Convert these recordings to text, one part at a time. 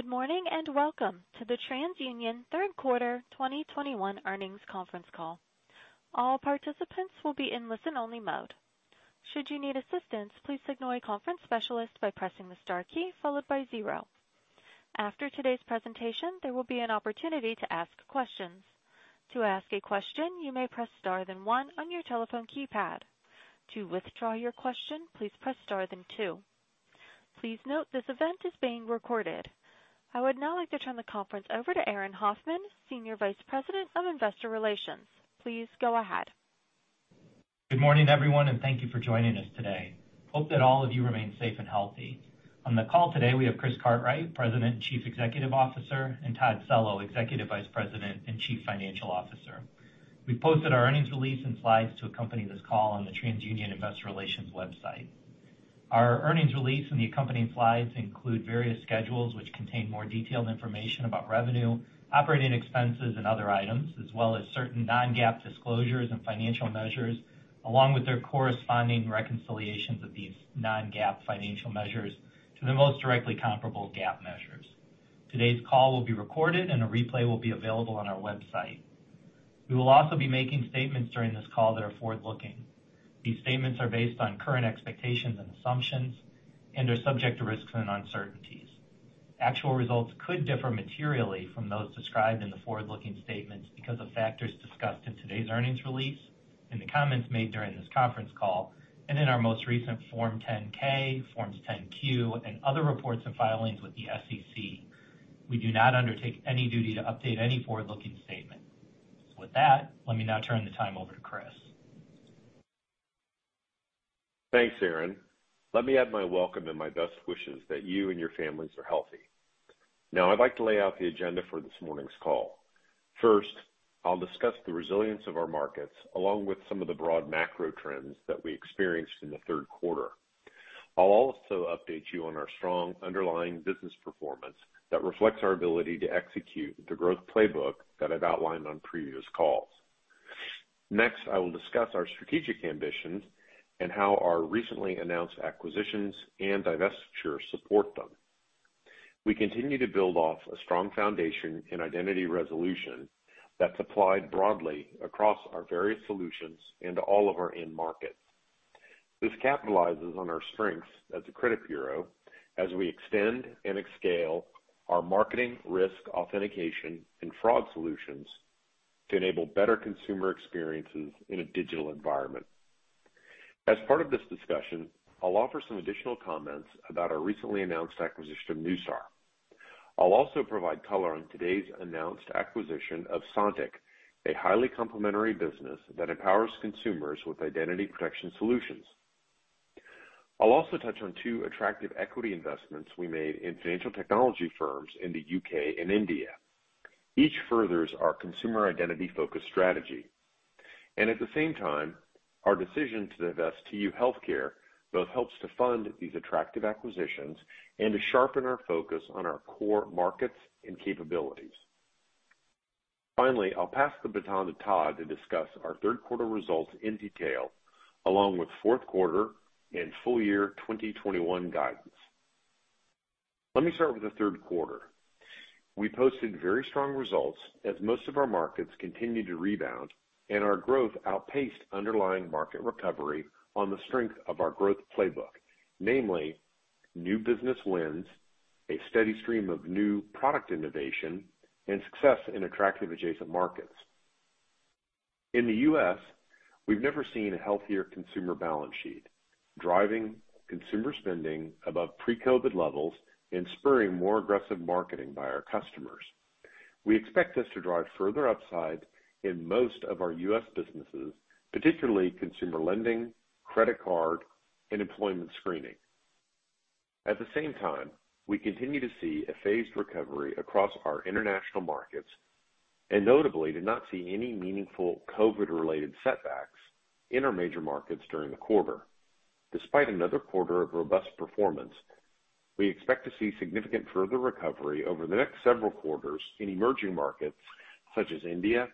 Good morning, and welcome to the TransUnion Third Quarter 2021 Earnings Conference Call. All participants will be in listen-only mode. Should you need assistance, please signal a conference specialist by pressing the star key followed by zero. After today's presentation, there will be an opportunity to ask questions. To ask a question, you may press star then one on your telephone keypad. To withdraw your question, please press star then two. Please note this event is being recorded. I would now like to turn the conference over to Aaron Hoffman, Senior Vice President of Investor Relations. Please go ahead. Good morning, everyone, and thank you for joining us today. Hope that all of you remain safe and healthy. On the call today, we have Chris Cartwright, President and Chief Executive Officer, and Todd Cello, Executive Vice President and Chief Financial Officer. We posted our earnings release and slides to accompany this call on the TransUnion Investor Relations website. Our earnings release and the accompanying slides include various schedules which contain more detailed information about revenue, operating expenses, and other items, as well as certain non-GAAP disclosures and financial measures, along with their corresponding reconciliations of these non-GAAP financial measures to the most directly comparable GAAP measures. Today's call will be recorded and a replay will be available on our website. We will also be making statements during this call that are forward-looking. These statements are based on current expectations and assumptions and are subject to risks and uncertainties. Actual results could differ materially from those described in the forward-looking statements because of factors discussed in today's earnings release, in the comments made during this conference call, and in our most recent Form 10-K, Forms 10-Q, and other reports and filings with the SEC. We do not undertake any duty to update any forward-looking statement. With that, let me now turn the time over to Chris. Thanks, Aaron. Let me add my welcome and my best wishes that you and your families are healthy. Now, I'd like to lay out the agenda for this morning's call. First, I'll discuss the resilience of our markets, along with some of the broad macro trends that we experienced in the third quarter. I'll also update you on our strong underlying business performance that reflects our ability to execute the growth playbook that I've outlined on previous calls. Next, I will discuss our strategic ambitions and how our recently announced acquisitions and divestitures support them. We continue to build off a strong foundation in identity resolution that's applied broadly across our various solutions and to all of our end markets. This capitalizes on our strengths as a credit bureau as we extend and scale our marketing, risk, authentication, and fraud solutions to enable better consumer experiences in a digital environment. As part of this discussion, I'll offer some additional comments about our recently announced acquisition of Neustar. I'll also provide color on today's announced acquisition of Sontiq, a highly complementary business that empowers consumers with identity protection solutions. I'll also touch on two attractive equity investments we made in financial technology firms in the U.K. and India. Each furthers our consumer identity-focused strategy. At the same time, our decision to divest TU Healthcare both helps to fund these attractive acquisitions and to sharpen our focus on our core markets and capabilities. Finally, I'll pass the baton to Todd to discuss our third quarter results in detail, along with fourth quarter and full year 2021 guidance. Let me start with the third quarter. We posted very strong results as most of our markets continued to rebound and our growth outpaced underlying market recovery on the strength of our growth playbook, namely new business wins, a steady stream of new product innovation, and success in attractive adjacent markets. In the U.S., we've never seen a healthier consumer balance sheet, driving consumer spending above pre-COVID levels and spurring more aggressive marketing by our customers. We expect this to drive further upside in most of our U.S. businesses, particularly consumer lending, credit card, and employment screening. At the same time, we continue to see a phased recovery across our international markets, and notably did not see any meaningful COVID-related setbacks in our major markets during the quarter. Despite another quarter of robust performance, we expect to see significant further recovery over the next several quarters in emerging markets such as India,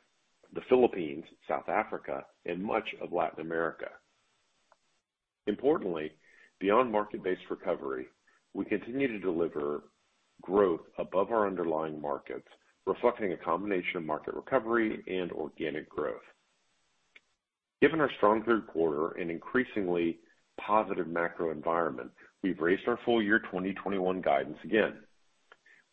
the Philippines, South Africa, and much of Latin America. Importantly, beyond market-based recovery, we continue to deliver growth above our underlying markets, reflecting a combination of market recovery and organic growth. Given our strong third quarter and increasingly positive macro environment, we've raised our full year 2021 guidance again.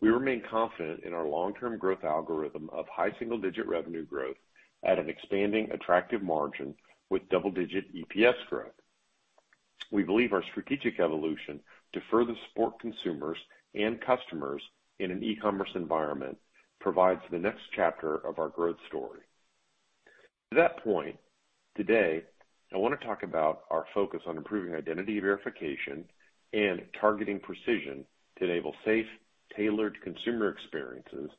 We remain confident in our long-term growth algorithm of high single-digit revenue growth at an expanding attractive margin with double-digit EPS growth. We believe our strategic evolution to further support consumers and customers in an e-commerce environment provides the next chapter of our growth story. To that point, today, I want to talk about our focus on improving identity verification and targeting precision to enable safe, tailored consumer experiences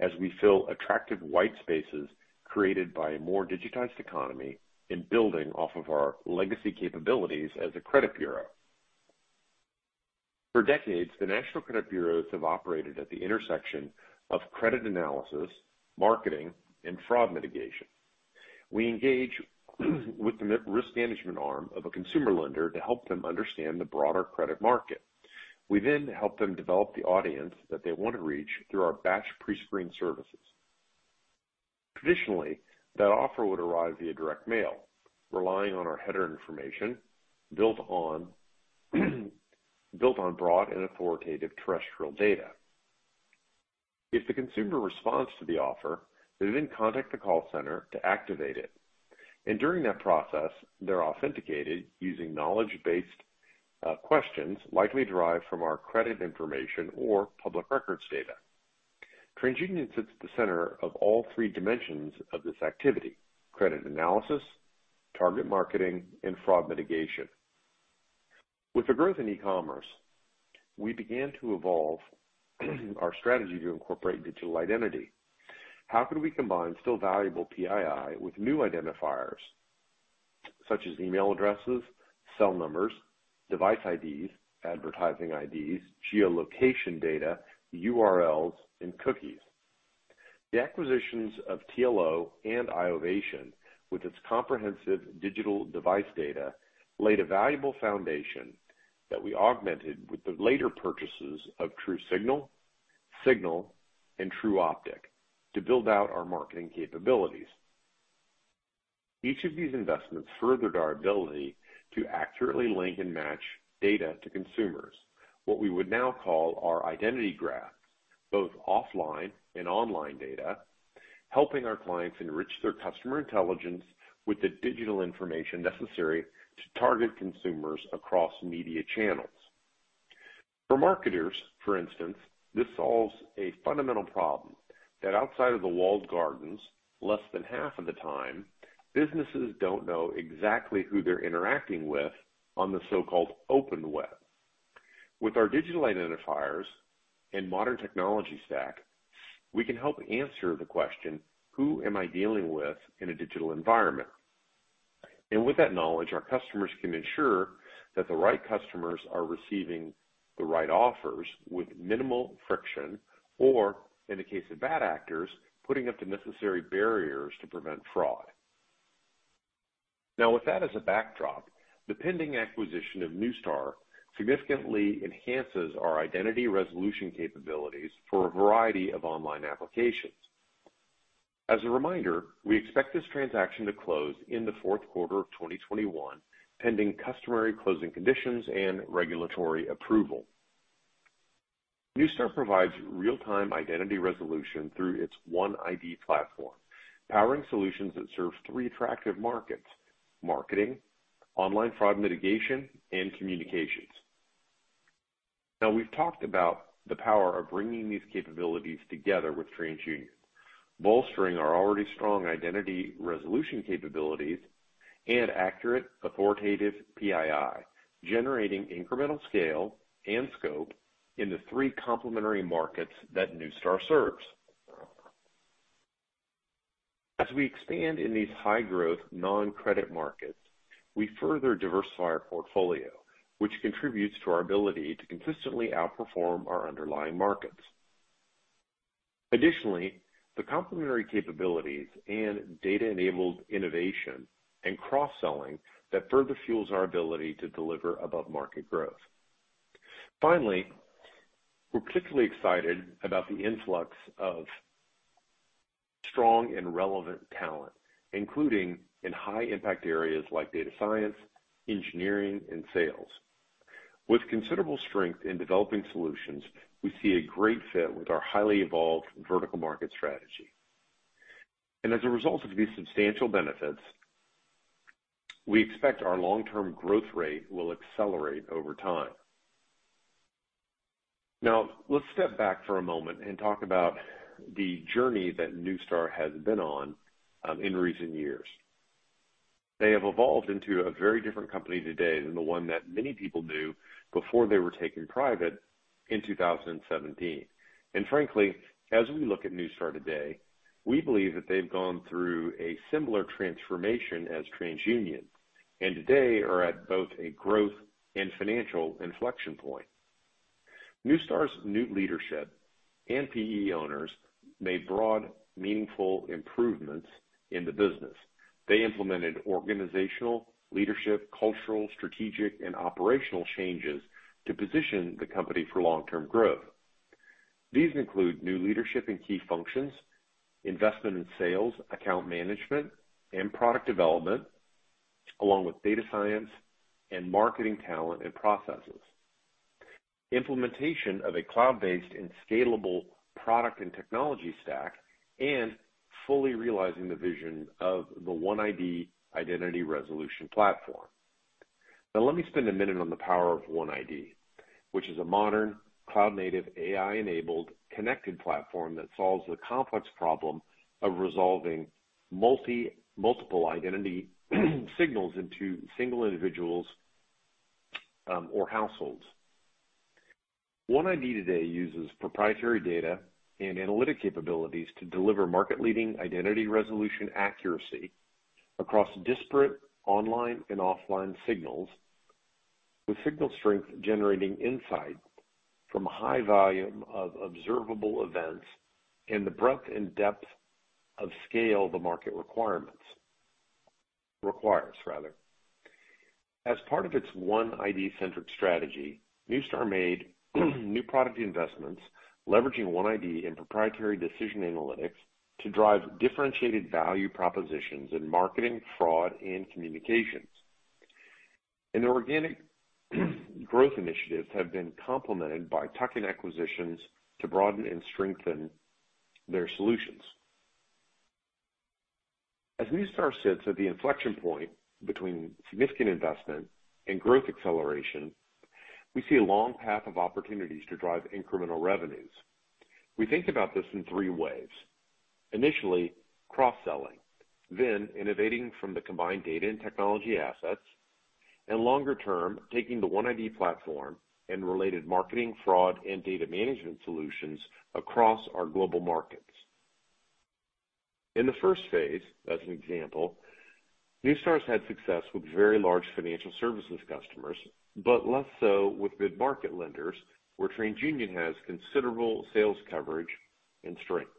as we fill attractive white spaces created by a more digitized economy and building off of our legacy capabilities as a credit bureau. For decades, the national credit bureaus have operated at the intersection of credit analysis, marketing, and fraud mitigation. We engage with the risk management arm of a consumer lender to help them understand the broader credit market. We then help them develop the audience that they want to reach through our batch pre-screen services. Traditionally, that offer would arrive via direct mail, relying on our header information built on broad and authoritative terrestrial data. If the consumer responds to the offer, they then contact the call center to activate it, and during that process, they're authenticated using knowledge-based questions likely derived from our credit information or public records data. TransUnion sits at the center of all three dimensions of this activity, credit analysis, target marketing, and fraud mitigation. With the growth in e-commerce, we began to evolve our strategy to incorporate digital identity. How could we combine still valuable PII with new identifiers such as email addresses, cell numbers, device IDs, advertising IDs, geolocation data, URLs, and cookies? The acquisitions of TLO and iovation, with its comprehensive digital device data, laid a valuable foundation that we augmented with the later purchases of TruSignal, Signal, and Tru Optik to build out our marketing capabilities. Each of these investments furthered our ability to accurately link and match data to consumers, what we would now call our identity graph, both offline and online data, helping our clients enrich their customer intelligence with the digital information necessary to target consumers across media channels. For marketers, for instance, this solves a fundamental problem that outside of the walled gardens, less than half of the time, businesses don't know exactly who they're interacting with on the so-called open web. With our digital identifiers and modern technology stack, we can help answer the question, "Who am I dealing with in a digital environment?" With that knowledge, our customers can ensure that the right customers are receiving the right offers with minimal friction, or in the case of bad actors, putting up the necessary barriers to prevent fraud. Now, with that as a backdrop, the pending acquisition of Neustar significantly enhances our identity resolution capabilities for a variety of online applications. As a reminder, we expect this transaction to close in the fourth quarter of 2021, pending customary closing conditions and regulatory approval. Neustar provides real-time identity resolution through its OneID platform, powering solutions that serve three attractive markets: marketing, online fraud mitigation, and communications. Now we've talked about the power of bringing these capabilities together with TransUnion, bolstering our already strong identity resolution capabilities and accurate, authoritative PII, generating incremental scale and scope in the three complementary markets that Neustar serves. As we expand in these high-growth non-credit markets, we further diversify our portfolio, which contributes to our ability to consistently outperform our underlying markets. Additionally, the complementary capabilities and data-enabled innovation and cross-selling that further fuels our ability to deliver above-market growth. Finally, we're particularly excited about the influx of strong and relevant talent, including in high-impact areas like data science, engineering, and sales. With considerable strength in developing solutions, we see a great fit with our highly evolved vertical market strategy. As a result of these substantial benefits, we expect our long-term growth rate will accelerate over time. Now, let's step back for a moment and talk about the journey that Neustar has been on in recent years. They have evolved into a very different company today than the one that many people knew before they were taken private in 2017. Frankly, as we look at Neustar today, we believe that they've gone through a similar transformation as TransUnion, and today are at both a growth and financial inflection point. Neustar's new leadership and PE owners made broad, meaningful improvements in the business. They implemented organizational, leadership, cultural, strategic, and operational changes to position the company for long-term growth. These include new leadership in key functions, investment in sales, account management, and product development, along with data science and marketing talent and processes, implementation of a cloud-based and scalable product and technology stack, and fully realizing the vision of the OneID identity resolution platform. Now let me spend a minute on the power of OneID, which is a modern, cloud-native, AI-enabled connected platform that solves the complex problem of resolving multiple identity signals into single individuals, or households. OneID today uses proprietary data and analytic capabilities to deliver market-leading identity resolution accuracy across disparate online and offline signals. With signal strength generating insight from a high volume of observable events and the breadth and depth of scale the market requires rather. As part of its OneID centric strategy, Neustar made new product investments leveraging OneID and proprietary decision analytics to drive differentiated value propositions in marketing, fraud, and communications. The organic growth initiatives have been complemented by tuck-in acquisitions to broaden and strengthen their solutions. As Neustar sits at the inflection point between significant investment and growth acceleration, we see a long path of opportunities to drive incremental revenues. We think about this in three ways. Initially, cross-selling, then innovating from the combined data and technology assets, and longer-term, taking the OneID platform and related marketing fraud and data management solutions across our global markets. In the first phase, as an example, Neustar's had success with very large financial services customers, but less so with mid-market lenders, where TransUnion has considerable sales coverage and strength.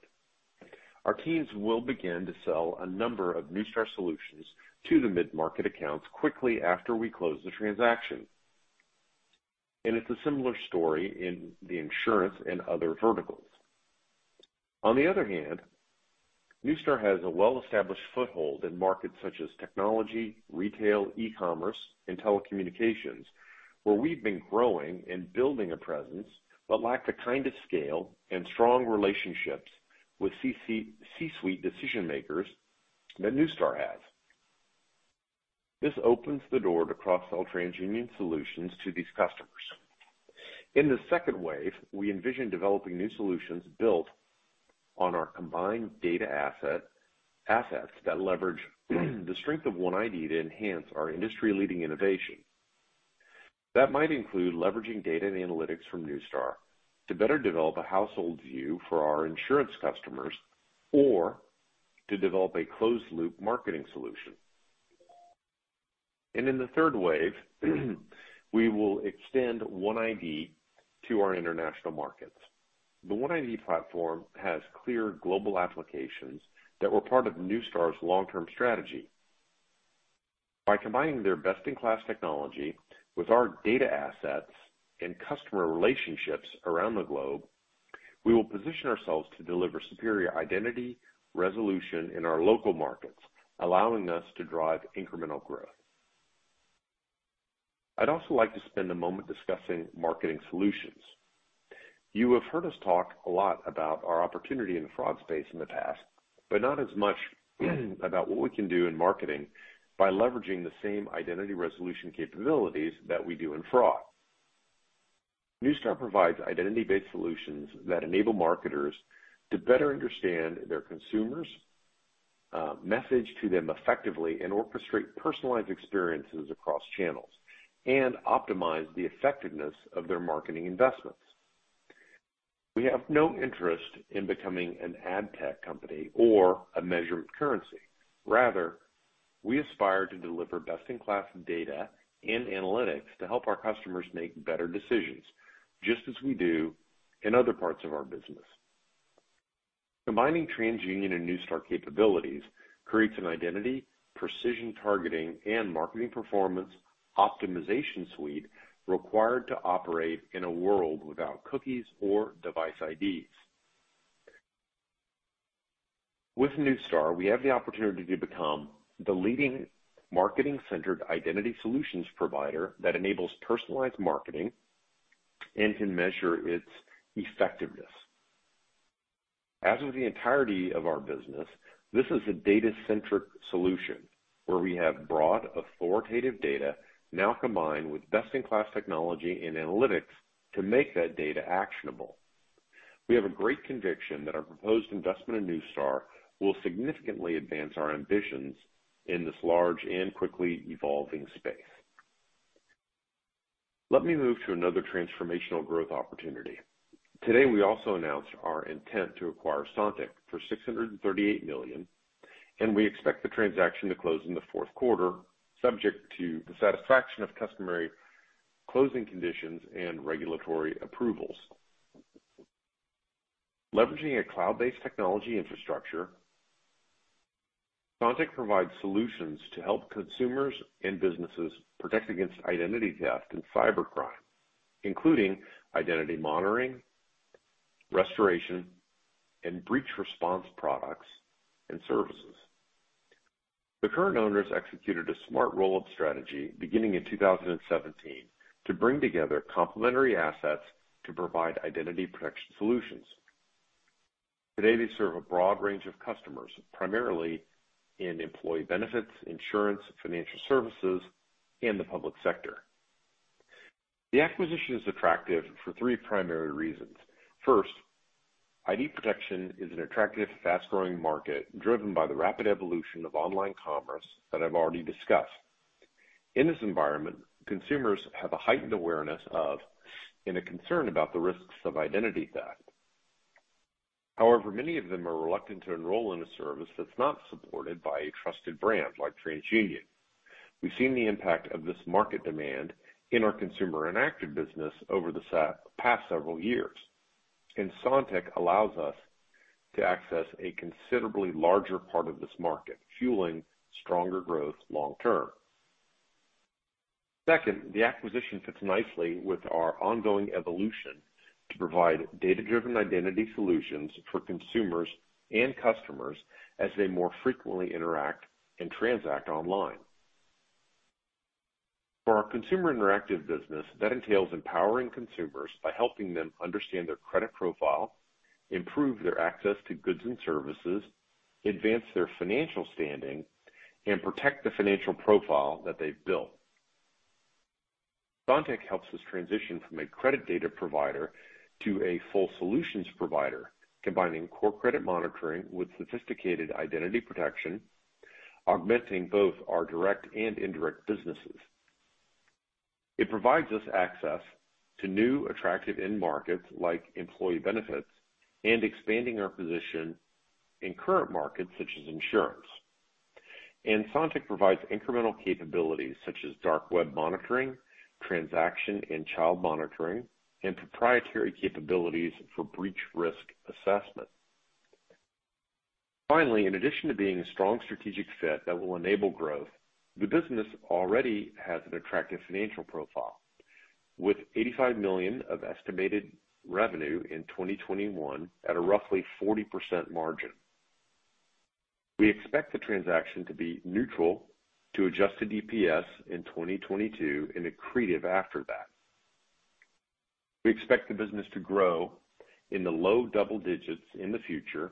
Our teams will begin to sell a number of Neustar solutions to the mid-market accounts quickly after we close the transaction. It's a similar story in the insurance and other verticals. On the other hand, Neustar has a well-established foothold in markets such as technology, retail, e-commerce, and telecommunications, where we've been growing and building a presence, but lack the kind of scale and strong relationships with C-suite decision-makers that Neustar has. This opens the door to cross-sell TransUnion solutions to these customers. In the second wave, we envision developing new solutions built on our combined data assets that leverage the strength of OneID to enhance our industry-leading innovation. That might include leveraging data and analytics from Neustar to better develop a household view for our insurance customers or to develop a closed loop marketing solution. In the third wave, we will extend OneID to our international markets. The OneID platform has clear global applications that were part of Neustar's long-term strategy. By combining their best-in-class technology with our data assets and customer relationships around the globe, we will position ourselves to deliver superior identity resolution in our local markets, allowing us to drive incremental growth. I'd also like to spend a moment discussing marketing solutions. You have heard us talk a lot about our opportunity in the fraud space in the past, but not as much about what we can do in marketing by leveraging the same identity resolution capabilities that we do in fraud. Neustar provides identity-based solutions that enable marketers to better understand their consumers, message to them effectively and orchestrate personalized experiences across channels, and optimize the effectiveness of their marketing investments. We have no interest in becoming an ad tech company or a measurement currency. Rather, we aspire to deliver best-in-class data and analytics to help our customers make better decisions, just as we do in other parts of our business. Combining TransUnion and Neustar capabilities creates an identity, precision targeting, and marketing performance optimization suite required to operate in a world without cookies or device IDs. With Neustar, we have the opportunity to become the leading marketing-centered identity solutions provider that enables personalized marketing and can measure its effectiveness. As with the entirety of our business, this is a data-centric solution where we have broad, authoritative data now combined with best-in-class technology and analytics to make that data actionable. We have a great conviction that our proposed investment in Neustar will significantly advance our ambitions in this large and quickly evolving space. Let me move to another transformational growth opportunity. Today, we also announced our intent to acquire Sontiq for $638 million, and we expect the transaction to close in the fourth quarter, subject to the satisfaction of customary closing conditions and regulatory approvals. Leveraging a cloud-based technology infrastructure, Sontiq provides solutions to help consumers and businesses protect against identity theft and cybercrime, including identity monitoring, restoration, and breach response products and services. The current owners executed a smart roll-up strategy beginning in 2017 to bring together complementary assets to provide identity protection solutions. Today, they serve a broad range of customers, primarily in employee benefits, insurance, financial services, and the public sector. The acquisition is attractive for three primary reasons. First, ID protection is an attractive, fast-growing market driven by the rapid evolution of online commerce that I've already discussed. In this environment, consumers have a heightened awareness of and a concern about the risks of identity theft. However, many of them are reluctant to enroll in a service that's not supported by a trusted brand like TransUnion. We've seen the impact of this market demand in our consumer and active business over the past several years. Sontiq allows us to access a considerably larger part of this market, fueling stronger growth long term. Second, the acquisition fits nicely with our ongoing evolution to provide data-driven identity solutions for consumers and customers as they more frequently interact and transact online. For our consumer interactive business, that entails empowering consumers by helping them understand their credit profile, improve their access to goods and services, advance their financial standing, and protect the financial profile that they've built. Sontiq helps us transition from a credit data provider to a full solutions provider, combining core credit monitoring with sophisticated identity protection, augmenting both our direct and indirect businesses. It provides us access to new attractive end markets like employee benefits and expanding our position in current markets such as insurance. Sontiq provides incremental capabilities such as dark web monitoring, transaction and child monitoring, and proprietary capabilities for breach risk assessment. Finally, in addition to being a strong strategic fit that will enable growth, the business already has an attractive financial profile, with $85 million of estimated revenue in 2021 at a roughly 40% margin. We expect the transaction to be neutral to adjusted EPS in 2022 and accretive after that. We expect the business to grow in the low double digits in the future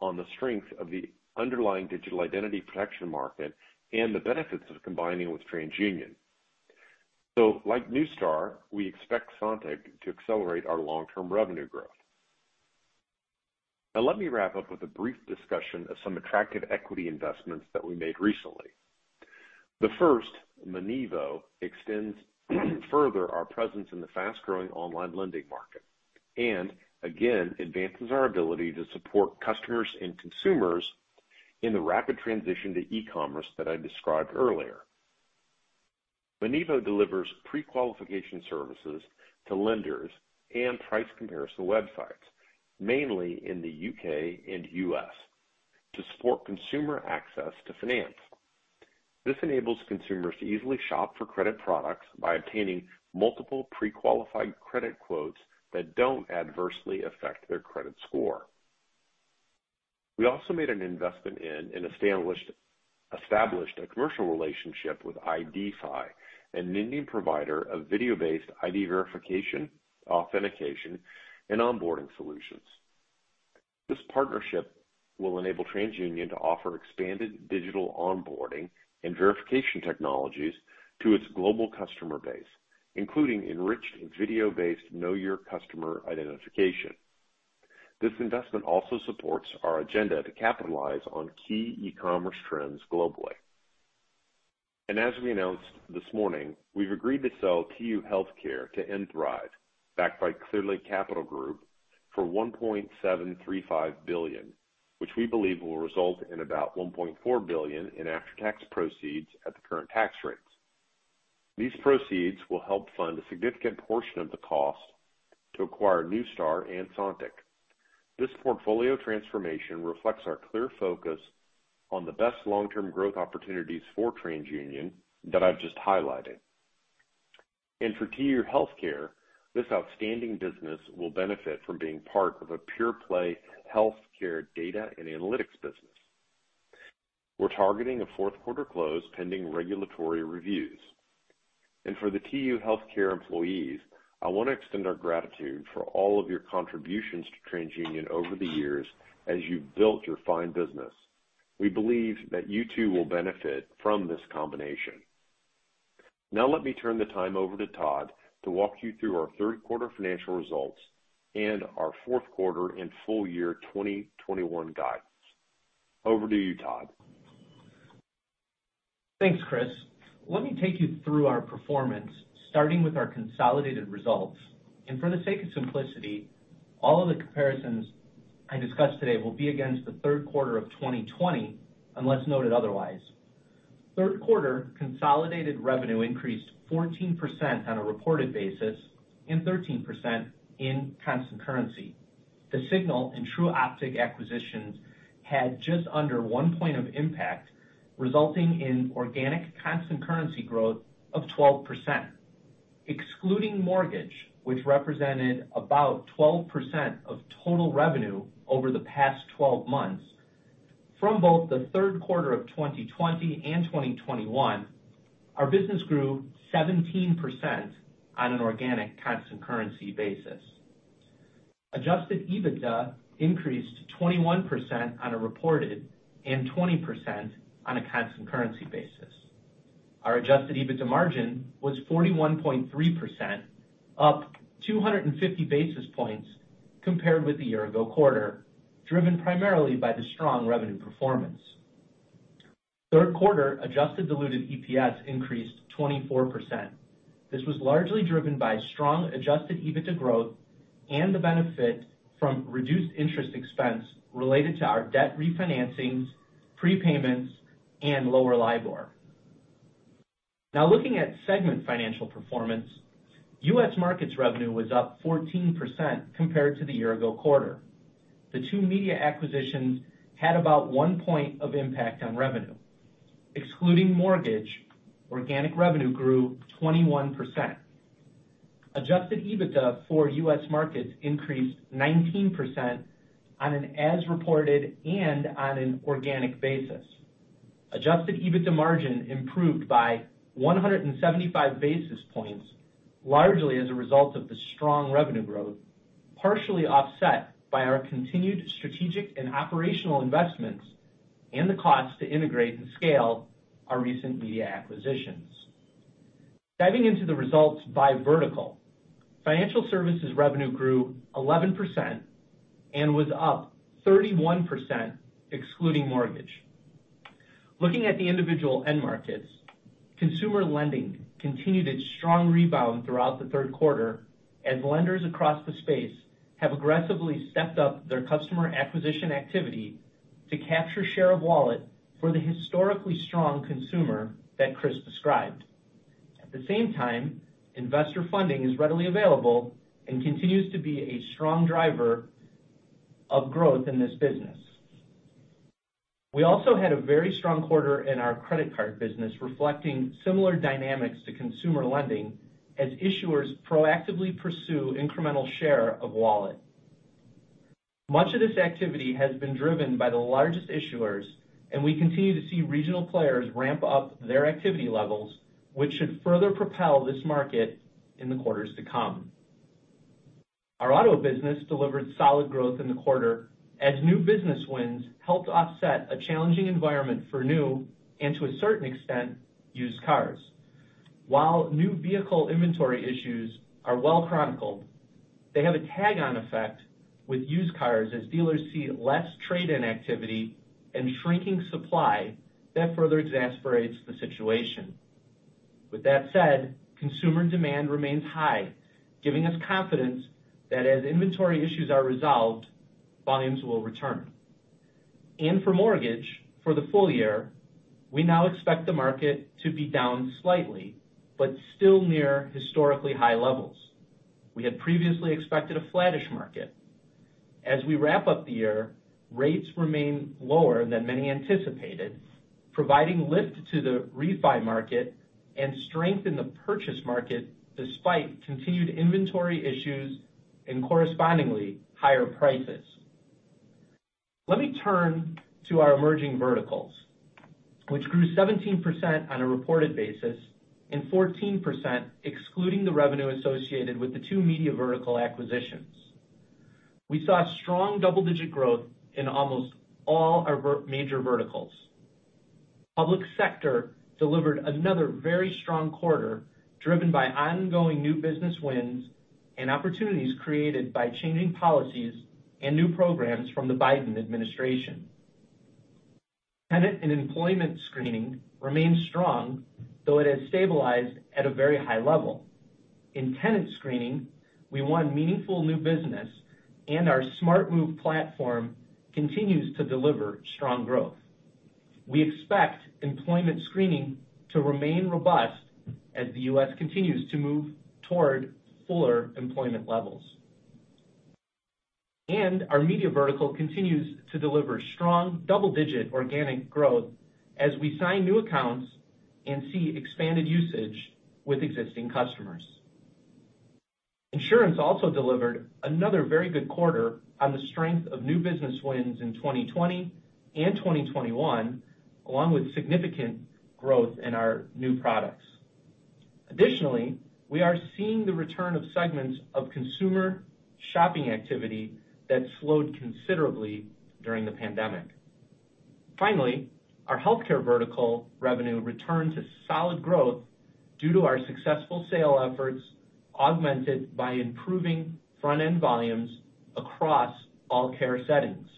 on the strength of the underlying digital identity protection market and the benefits of combining with TransUnion. Like Neustar, we expect Sontiq to accelerate our long-term revenue growth. Now let me wrap up with a brief discussion of some attractive equity investments that we made recently. The first, Monevo, extends further our presence in the fast-growing online lending market, and again, advances our ability to support customers and consumers in the rapid transition to e-commerce that I described earlier. Monevo delivers prequalification services to lenders and price comparison websites, mainly in the U.K. and U.S., to support consumer access to finance. This enables consumers to easily shop for credit products by obtaining multiple prequalified credit quotes that don't adversely affect their credit score. We also made an investment in and established a commercial relationship with IDfy, an Indian provider of video-based ID verification, authentication, and onboarding solutions. This partnership will enable TransUnion to offer expanded digital onboarding and verification technologies to its global customer base, including enriched video-based know your customer identification. This investment also supports our agenda to capitalize on key e-commerce trends globally. As we announced this morning, we've agreed to sell TU Healthcare to nThrive, backed by Clearlake Capital Group, for $1.735 billion, which we believe will result in about $1.4 billion in after-tax proceeds at the current tax rates. These proceeds will help fund a significant portion of the cost to acquire Neustar and Sontiq. This portfolio transformation reflects our clear focus on the best long-term growth opportunities for TransUnion that I've just highlighted. For TU Healthcare, this outstanding business will benefit from being part of a pure play healthcare data and analytics business. We're targeting a fourth quarter close pending regulatory reviews. For the TU Healthcare employees, I want to extend our gratitude for all of your contributions to TransUnion over the years as you've built your fine business. We believe that you too will benefit from this combination. Now let me turn the time over to Todd to walk you through our third quarter financial results and our fourth quarter and full year 2021 guidance. Over to you, Todd. Thanks, Chris. Let me take you through our performance, starting with our consolidated results. For the sake of simplicity, all of the comparisons I discuss today will be against the third quarter of 2020, unless noted otherwise. Third quarter consolidated revenue increased 14% on a reported basis and 13% in constant currency. The Signal and Tru Optik acquisitions had just under one point of impact, resulting in organic constant currency growth of 12%. Excluding mortgage, which represented about 12% of total revenue over the past 12 months, from both the third quarter of 2020 and 2021, our business grew 17% on an organic constant currency basis. Adjusted EBITDA increased 21% on a reported and 20% on a constant currency basis. Our adjusted EBITDA margin was 41.3%, up 250 basis points compared with the year ago quarter, driven primarily by the strong revenue performance. Third quarter adjusted diluted EPS increased 24%. This was largely driven by strong adjusted EBITDA growth and the benefit from reduced interest expense related to our debt refinancings, prepayments, and lower LIBOR. Now looking at segment financial performance, U.S. Markets revenue was up 14% compared to the year ago quarter. The two media acquisitions had about one point of impact on revenue. Excluding mortgage, organic revenue grew 21%. Adjusted EBITDA for U.S. Markets increased 19% on an as-reported and on an organic basis. Adjusted EBITDA margin improved by 175 basis points, largely as a result of the strong revenue growth, partially offset by our continued strategic and operational investments and the cost to integrate and scale our recent media acquisitions. Diving into the results by vertical, financial services revenue grew 11% and was up 31% excluding mortgage. Looking at the individual end markets, consumer lending continued its strong rebound throughout the third quarter as lenders across the space have aggressively stepped up their customer acquisition activity to capture share of wallet for the historically strong consumer that Chris described. At the same time, investor funding is readily available and continues to be a strong driver of growth in this business. We also had a very strong quarter in our credit card business reflecting similar dynamics to consumer lending as issuers proactively pursue incremental share of wallet. Much of this activity has been driven by the largest issuers, and we continue to see regional players ramp up their activity levels, which should further propel this market in the quarters to come. Our auto business delivered solid growth in the quarter as new business wins helped offset a challenging environment for new, and to a certain extent, used cars. While new vehicle inventory issues are well chronicled, they have a knock-on effect with used cars as dealers see less trade-in activity and shrinking supply that further exacerbates the situation. With that said, consumer demand remains high, giving us confidence that as inventory issues are resolved, volumes will return. For mortgage, for the full year, we now expect the market to be down slightly, but still near historically high levels. We had previously expected a flattish market. As we wrap up the year, rates remain lower than many anticipated, providing lift to the refi market and strength in the purchase market despite continued inventory issues and correspondingly higher prices. Let me turn to our emerging verticals, which grew 17% on a reported basis and 14% excluding the revenue associated with the two media vertical acquisitions. We saw strong double-digit growth in almost all our major verticals. Public sector delivered another very strong quarter, driven by ongoing new business wins and opportunities created by changing policies and new programs from the Biden administration. Tenant and employment screening remains strong, though it has stabilized at a very high level. In tenant screening, we won meaningful new business and our SmartMove platform continues to deliver strong growth. We expect employment screening to remain robust as the U.S. continues to move toward fuller employment levels. Our media vertical continues to deliver strong double-digit organic growth as we sign new accounts and see expanded usage with existing customers. Insurance also delivered another very good quarter on the strength of new business wins in 2020 and 2021, along with significant growth in our new products. Additionally, we are seeing the return of segments of consumer shopping activity that slowed considerably during the pandemic. Finally, our healthcare vertical revenue returned to solid growth due to our successful sale efforts augmented by improving front-end volumes across all care settings.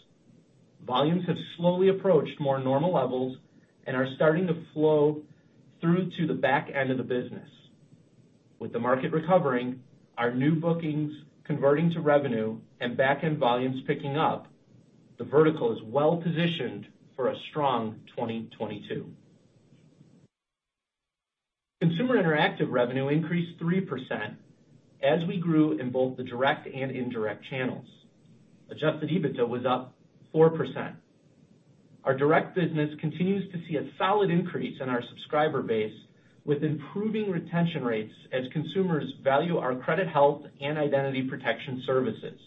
Volumes have slowly approached more normal levels and are starting to flow through to the back end of the business. With the market recovering, our new bookings converting to revenue and back-end volumes picking up, the vertical is well-positioned for a strong 2022. Consumer interactive revenue increased 3% as we grew in both the direct and indirect channels. Adjusted EBITDA was up 4%. Our direct business continues to see a solid increase in our subscriber base with improving retention rates as consumers value our credit health and identity protection services.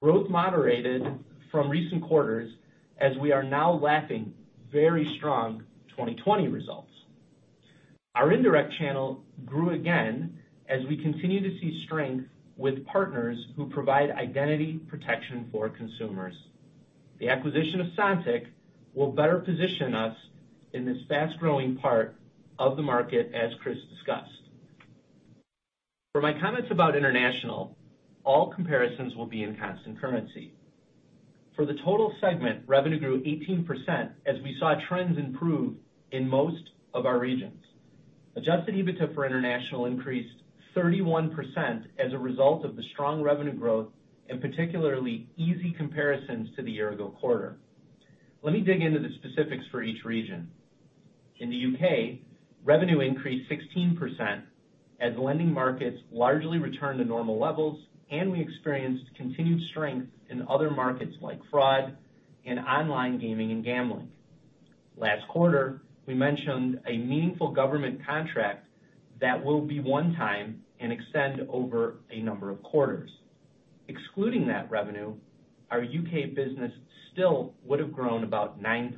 Growth moderated from recent quarters as we are now lapping very strong 2020 results. Our indirect channel grew again as we continue to see strength with partners who provide identity protection for consumers. The acquisition of Sontiq will better position us in this fast-growing part of the market as Chris discussed. For my comments about international, all comparisons will be in constant currency. For the total segment, revenue grew 18% as we saw trends improve in most of our regions. Adjusted EBITDA for international increased 31% as a result of the strong revenue growth and particularly easy comparisons to the year-ago quarter. Let me dig into the specifics for each region. In the U.K., revenue increased 16% as lending markets largely returned to normal levels and we experienced continued strength in other markets like fraud and online gaming and gambling. Last quarter, we mentioned a meaningful government contract that will be one time and extend over a number of quarters. Excluding that revenue, our U.K. business still would have grown about 9%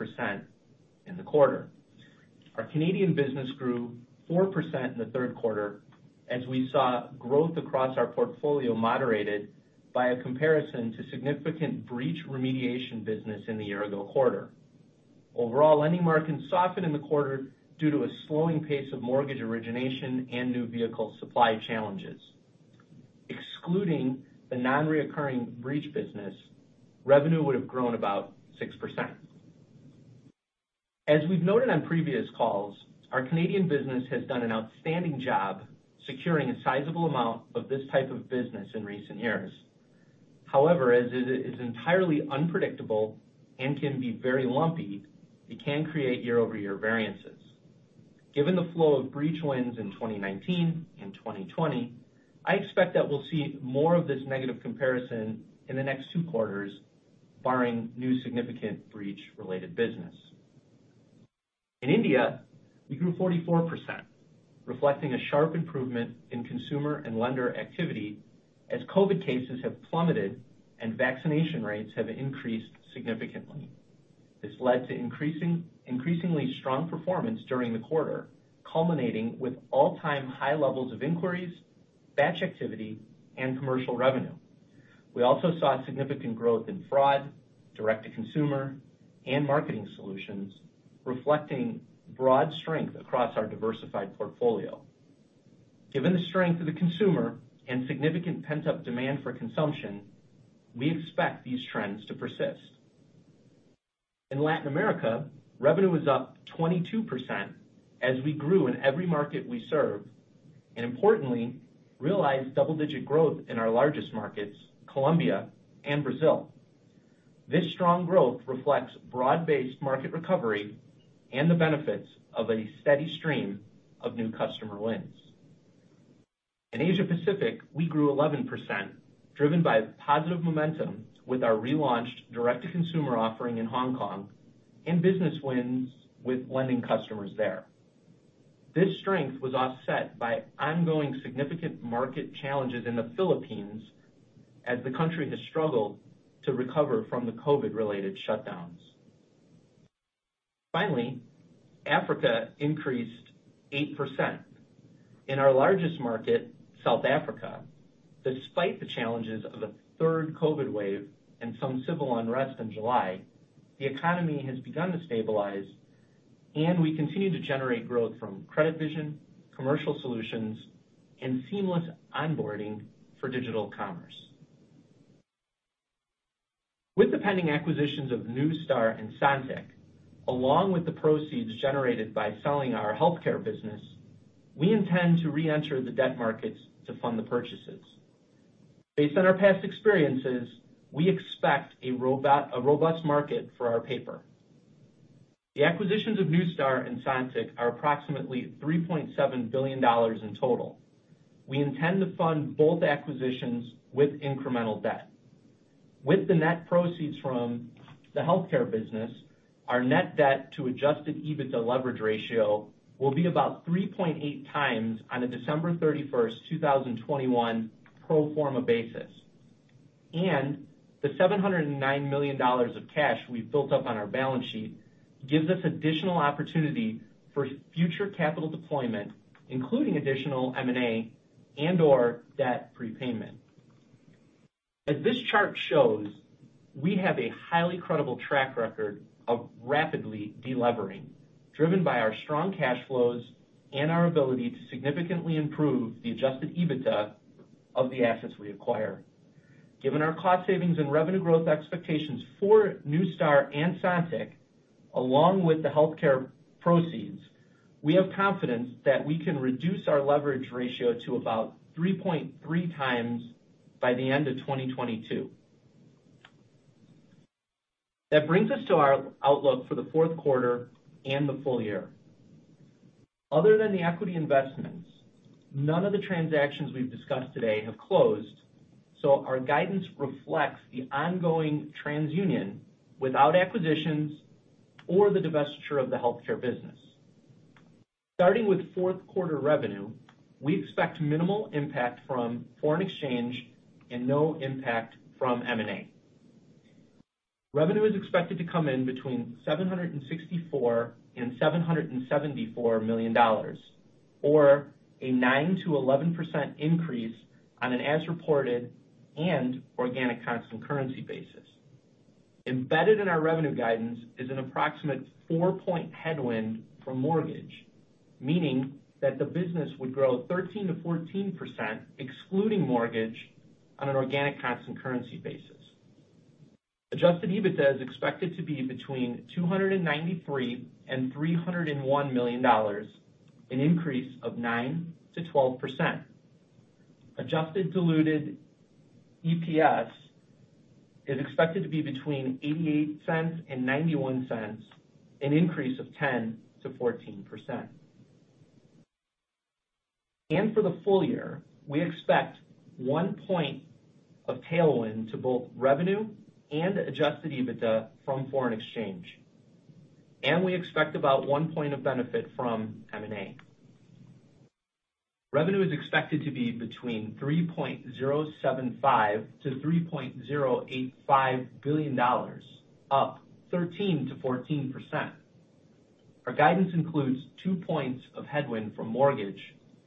in the quarter. Our Canadian business grew 4% in the third quarter as we saw growth across our portfolio moderated by a comparison to significant breach remediation business in the year-ago quarter. Overall, lending markets softened in the quarter due to a slowing pace of mortgage origination and new vehicle supply challenges. Excluding the non-reoccurring breach business, revenue would have grown about 6%. As we've noted on previous calls, our Canadian business has done an outstanding job securing a sizable amount of this type of business in recent years. However, as it is entirely unpredictable and can be very lumpy, it can create year-over-year variances. Given the flow of breach wins in 2019 and 2020, I expect that we'll see more of this negative comparison in the next two quarters barring new significant breach-related business. In India, we grew 44%, reflecting a sharp improvement in consumer and lender activity as COVID cases have plummeted and vaccination rates have increased significantly. This led to increasingly strong performance during the quarter, culminating with all-time high levels of inquiries, batch activity, and commercial revenue. We also saw significant growth in fraud, direct-to-consumer, and marketing solutions, reflecting broad strength across our diversified portfolio. Given the strength of the consumer and significant pent-up demand for consumption, we expect these trends to persist. In Latin America, revenue was up 22% as we grew in every market we serve, and importantly, realized double-digit growth in our largest markets, Colombia and Brazil. This strong growth reflects broad-based market recovery and the benefits of a steady stream of new customer wins. In Asia Pacific, we grew 11%, driven by positive momentum with our relaunched direct-to-consumer offering in Hong Kong and business wins with lending customers there. This strength was offset by ongoing significant market challenges in the Philippines as the country has struggled to recover from the COVID-related shutdowns. Finally, Africa increased 8%. In our largest market, South Africa, despite the challenges of a third COVID wave and some civil unrest in July, the economy has begun to stabilize, and we continue to generate growth from CreditVision, commercial solutions, and seamless onboarding for digital commerce. With the pending acquisitions of Neustar and Sontiq, along with the proceeds generated by selling our healthcare business, we intend to reenter the debt markets to fund the purchases. Based on our past experiences, we expect a robust market for our paper. The acquisitions of Neustar and Sontiq are approximately $3.7 billion in total. We intend to fund both acquisitions with incremental debt. With the net proceeds from the healthcare business, our net debt to adjusted EBITDA leverage ratio will be about 3.8x on a December 31, 2021 pro forma basis. The $709 million of cash we've built up on our balance sheet gives us additional opportunity for future capital deployment, including additional M&A and/or debt prepayment. As this chart shows, we have a highly credible track record of rapidly delevering, driven by our strong cash flows and our ability to significantly improve the adjusted EBITDA of the assets we acquire. Given our cost savings and revenue growth expectations for Neustar and Sontiq, along with the healthcare proceeds, we have confidence that we can reduce our leverage ratio to about 3.3x by the end of 2022. That brings us to our outlook for the fourth quarter and the full year. Other than the equity investments, none of the transactions we've discussed today have closed, so our guidance reflects the ongoing TransUnion without acquisitions or the divestiture of the healthcare business. Starting with fourth quarter revenue, we expect minimal impact from foreign exchange and no impact from M&A. Revenue is expected to come in between $764 million and $774 million, or a 9%-11% increase on an as-reported and organic constant currency basis. Embedded in our revenue guidance is an approximate four point headwind from mortgage, meaning that the business would grow 13%-14% excluding mortgage on an organic constant currency basis. Adjusted EBITDA is expected to be between $293 million and $301 million, an increase of 9%-12%. Adjusted diluted EPS is expected to be between $0.88 and $0.91, an increase of 10%-14%. For the full year, we expect one point of tailwind to both revenue and adjusted EBITDA from foreign exchange, and we expect about 1 point of benefit from M&A. Revenue is expected to be between $3.075 billion-$3.085 billion, up 13%-14%. Our guidance includes two points of headwind from mortgage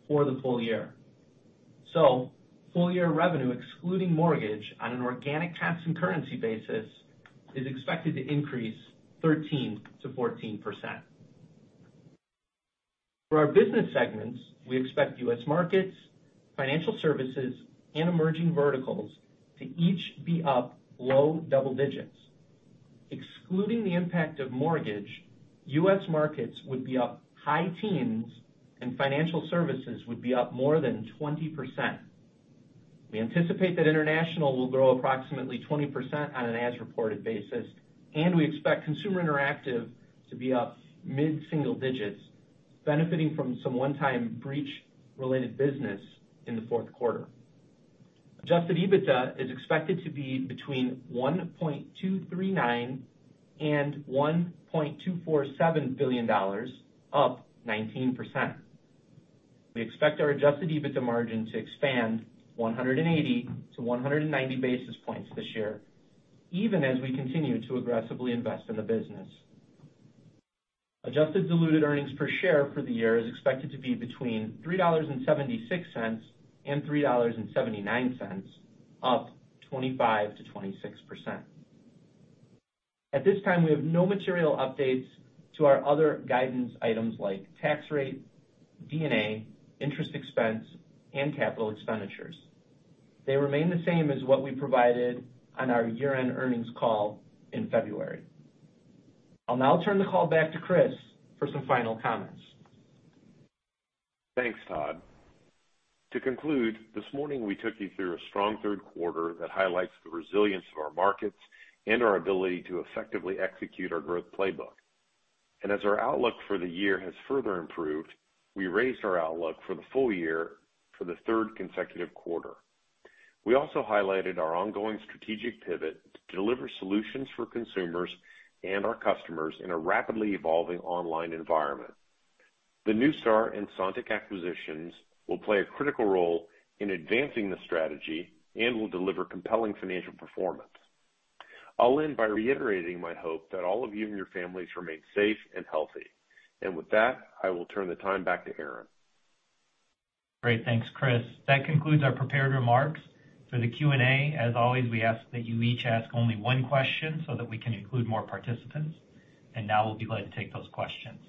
for the full year. Full year revenue excluding mortgage on an organic constant currency basis is expected to increase 13%-14%. For our business segments, we expect U.S. markets, financial services, and emerging verticals to each be up low double digits. Excluding the impact of mortgage, U.S. markets would be up high teens and financial services would be up more than 20%. We anticipate that international will grow approximately 20% on an as-reported basis, and we expect consumer interactive to be up mid-single digits, benefiting from some one-time breach-related business in the fourth quarter. Adjusted EBITDA is expected to be between $1.239 billion and $1.247 billion, up 19%. We expect our adjusted EBITDA margin to expand 180-190 basis points this year, even as we continue to aggressively invest in the business. Adjusted diluted earnings per share for the year is expected to be between $3.76 and $3.79, up 25%-26%. At this time, we have no material updates to our other guidance items like tax rate, D&A, interest expense, and capital expenditures. They remain the same as what we provided on our year-end earnings call in February. I'll now turn the call back to Chris for some final comments. Thanks, Todd. To conclude, this morning we took you through a strong third quarter that highlights the resilience of our markets and our ability to effectively execute our growth playbook. As our outlook for the year has further improved, we raised our outlook for the full year for the third consecutive quarter. We also highlighted our ongoing strategic pivot to deliver solutions for consumers and our customers in a rapidly evolving online environment. The Neustar and Sontiq acquisitions will play a critical role in advancing the strategy and will deliver compelling financial performance. I'll end by reiterating my hope that all of you and your families remain safe and healthy. With that, I will turn the time back to Aaron. Great. Thanks, Chris. That concludes our prepared remarks. For the Q&A, as always, we ask that you each ask only one question so that we can include more participants. Now we'll be glad to take those questions.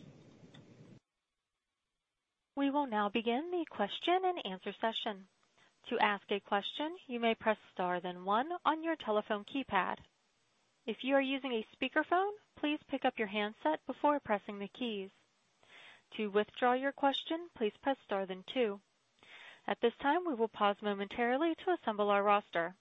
We will now begin the question-and-answer session. To ask a question, you may press star then one on your telephone keypad. If you are using a speakerphone, please pick up your handset before pressing the keys. To withdraw your question, please press star then two. At this time, we will pause momentarily to assemble our roster.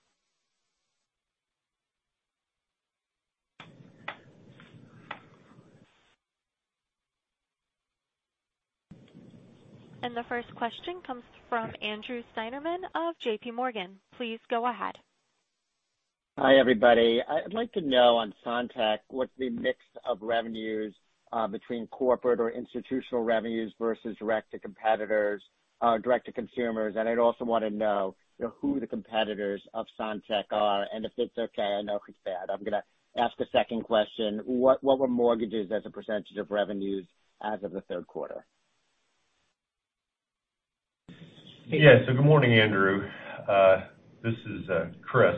The first question comes from Andrew Steinerman of JPMorgan. Please go ahead. Hi, everybody. I'd like to know on Sontiq, what's the mix of revenues between corporate or institutional revenues versus direct to consumers? I'd also wanna know who the competitors of Sontiq are, and if it's okay, I know it's bad. I'm gonna ask a second question. What were mortgages as a percentage of revenues as of the third quarter? Good morning, Andrew. This is Chris.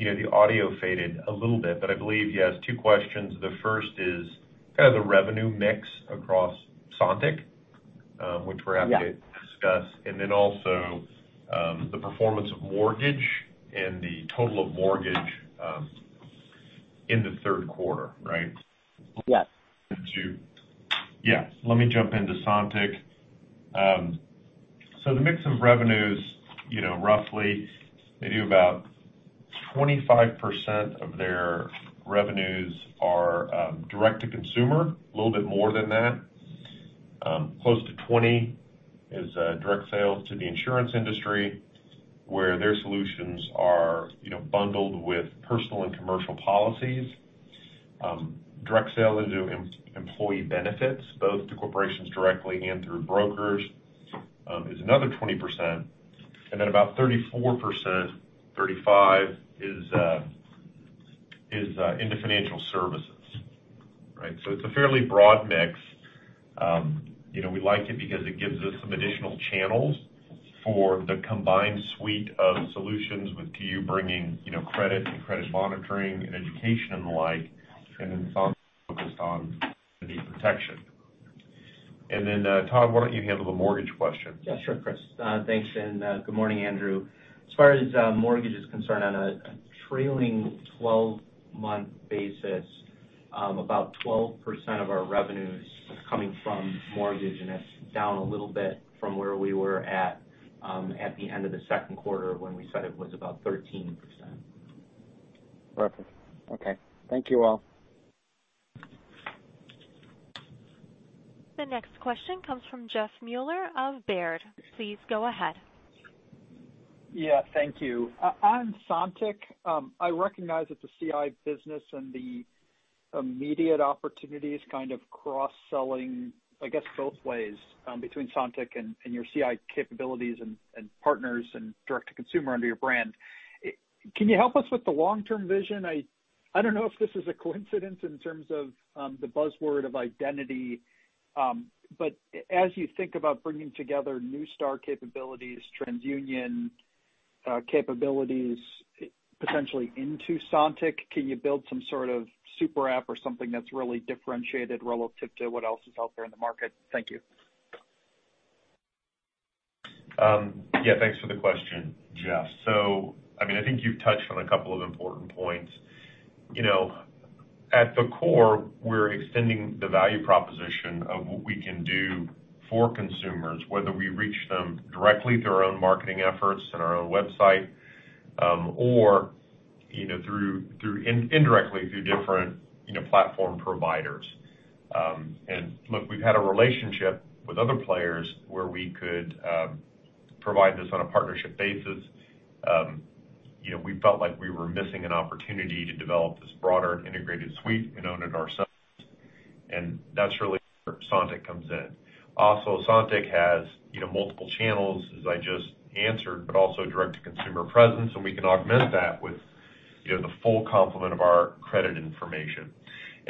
You know, the audio faded a little bit, but I believe he has two questions. The first is kind of the revenue mix across Sontiq, which we're happy to discuss, and then also, the performance of mortgage and the total of mortgage, in the third quarter, right? Yes. Yeah, let me jump into Sontiq. So the mix of revenues, you know, roughly maybe about 25% of their revenues are direct to consumer, a little bit more than that. Close to 20 is direct sales to the insurance industry, where their solutions are, you know, bundled with personal and commercial policies. Direct sale into employee benefits, both to corporations directly and through brokers, is another 20%. Then about 34%, 35% is into financial services. Right? So it's a fairly broad mix. You know, we like it because it gives us some additional channels for the combined suite of solutions with you bringing, you know, credit and credit monitoring and education and the like, and then Sontiq focused on identity protection. Then, Todd, why don't you handle the mortgage question? Yeah, sure, Chris. Thanks, and good morning, Andrew. As far as mortgage is concerned, on a trailing 12 month basis, about 12% of our revenues is coming from mortgage, and it's down a little bit from where we were at the end of the second quarter when we said it was about 13%. Perfect. Okay. Thank you all. The next question comes from Jeff Meuler of Baird. Please go ahead. Yeah. Thank you. On Sontiq, I recognize that the CI business and the immediate opportunity is kind of cross-selling, I guess, both ways, between Sontiq and your CI capabilities and partners and direct-to-consumer under your brand. Can you help us with the long-term vision? I don't know if this is a coincidence in terms of the buzzword of identity, but as you think about bringing together Neustar capabilities, TransUnion capabilities potentially into Sontiq, can you build some sort of super app or something that's really differentiated relative to what else is out there in the market? Thank you. Yeah, thanks for the question, Jeff. I mean, I think you've touched on a couple of important points. You know, at the core, we're extending the value proposition of what we can do for consumers, whether we reach them directly through our own marketing efforts and our own website, or, you know, indirectly through different platform providers. You know, we felt like we were missing an opportunity to develop this broader integrated suite and own it ourselves, and that's really where Sontiq comes in. Also, Sontiq has, you know, multiple channels, as I just answered, but also direct-to-consumer presence, and we can augment that with, you know, the full complement of our credit information.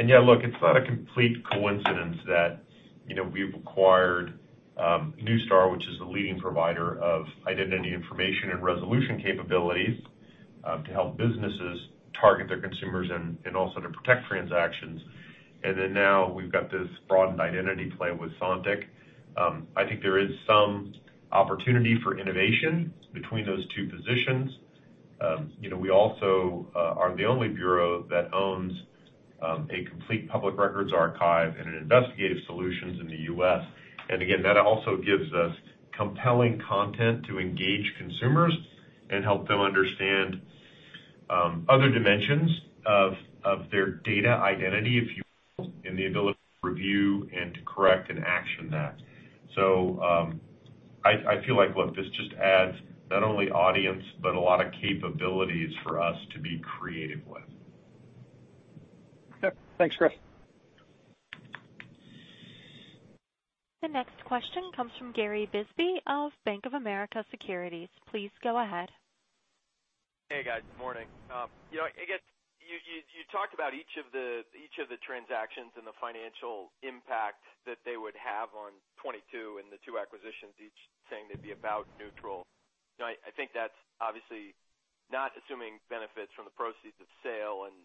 Yeah, look, it's not a complete coincidence that, you know, we've acquired Neustar, which is the leading provider of identity information and resolution capabilities, to help businesses target their consumers and also to protect transactions. Then now we've got this broadened identity play with Sontiq. I think there is some opportunity for innovation between those two positions. You know, we also are the only bureau that owns a complete public records archive and investigative solutions in the U.S. Again, that also gives us compelling content to engage consumers and help them understand other dimensions of their data identity, if you will, and the ability to review and to correct and action that. I feel like, look, this just adds not only audience, but a lot of capabilities for us to be creative with. Yeah. Thanks, Chris. The next question comes from Gary Bisbee of Bank of America Securities. Please go ahead. Hey, guys. Morning. You know, I guess you talked about each of the transactions and the financial impact that they would have on 2022 and the two acquisitions each saying they'd be about neutral. You know, I think that's obviously not assuming benefits from the proceeds of sale and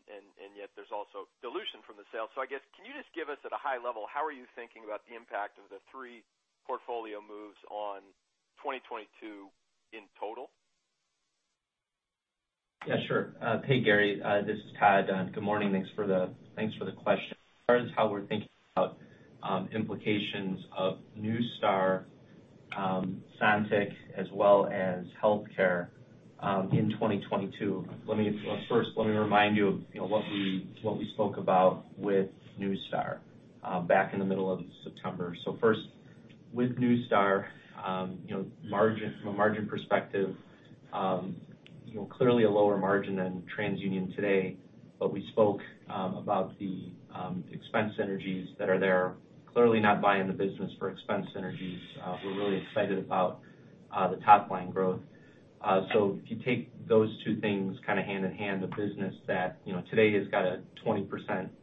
yet there's also dilution from the sale. I guess, can you just give us at a high level, how are you thinking about the impact of the three portfolio moves on 2022 in total? Yeah, sure. Hey, Gary. This is Todd. Good morning. Thanks for the question. As far as how we're thinking about implications of Neustar, Sontiq, as well as healthcare, in 2022, let me first remind you of, you know, what we spoke about with Neustar back in the middle of September. First, with Neustar, you know, margin, from a margin perspective, you know, clearly a lower margin than TransUnion today, but we spoke about the expense synergies that are there. Clearly not buying the business for expense synergies. We're really excited about the top line growth. If you take those two things kinda hand in hand, the business that, you know, today has got a 20%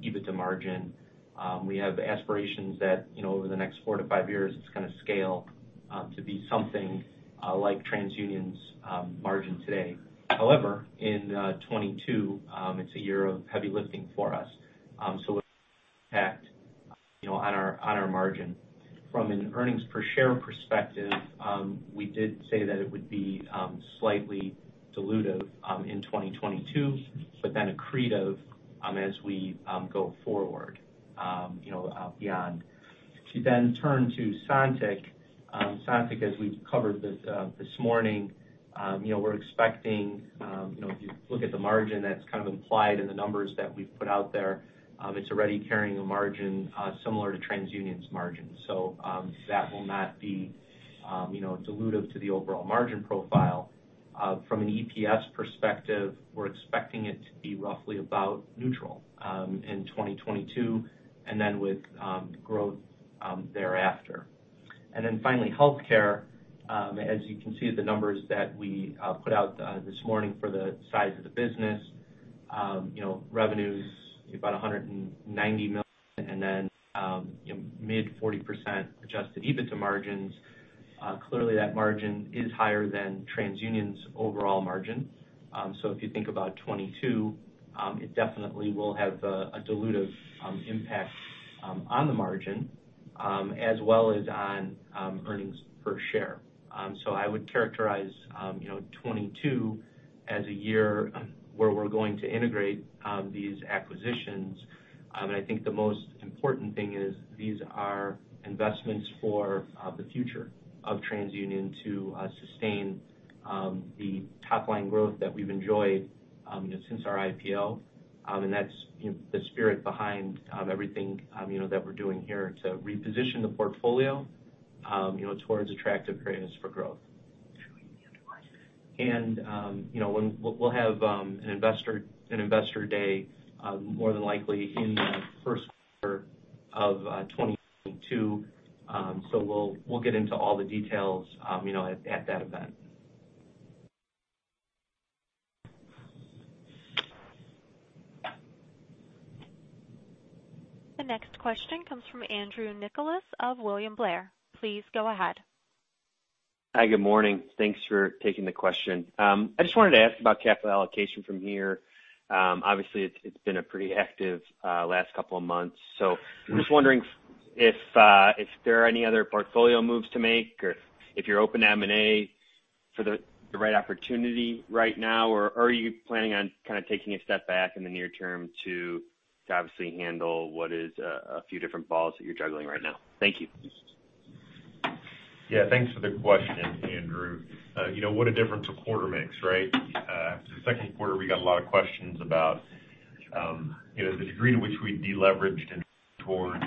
EBITDA margin, we have aspirations that, you know, over the next four to five years it's gonna scale to be something like TransUnion's margin today. However, in 2022, it's a year of heavy lifting for us, so it'll impact, you know, on our margin. From an earnings per share perspective, we did say that it would be slightly dilutive in 2022, but then accretive as we go forward, you know, beyond. To then turn to Sontiq, as we've covered this this morning, you know, we're expecting, you know, if you look at the margin that's kind of implied in the numbers that we've put out there, it's already carrying a margin similar to TransUnion's margin. That will not be, you know, dilutive to the overall margin profile. From an EPS perspective, we're expecting it to be roughly about neutral in 2022 and then with growth thereafter. Finally, healthcare, as you can see the numbers that we put out this morning for the size of the business, you know, revenues about $190 million, and then mid 40% adjusted EBITDA margins. Clearly that margin is higher than TransUnion's overall margin. If you think about 2022, it definitely will have a dilutive impact on the margin as well as on earnings per share. I would characterize you know 2022 as a year where we're going to integrate these acquisitions. I think the most important thing is these are investments for the future of TransUnion to sustain the top line growth that we've enjoyed you know since our IPO. That's you know the spirit behind everything you know that we're doing here to reposition the portfolio you know towards attractive areas for growth. You know, we'll have an investor day more than likely in the first quarter of 2022. We'll get into all the details, you know, at that event. The next question comes from Andrew Nicholas of William Blair. Please go ahead. Hi, good morning. Thanks for taking the question. I just wanted to ask about capital allocation from here. Obviously it's been a pretty active last couple of months. I'm just wondering if there are any other portfolio moves to make or if you're open to M&A for the right opportunity right now. Are you planning on kind of taking a step back in the near term to obviously handle what is a few different balls that you're juggling right now? Thank you. Yeah, thanks for the question, Andrew. You know what a difference a quarter makes, right? Second quarter, we got a lot of questions about, you know, the degree to which we de-leveraged and toward,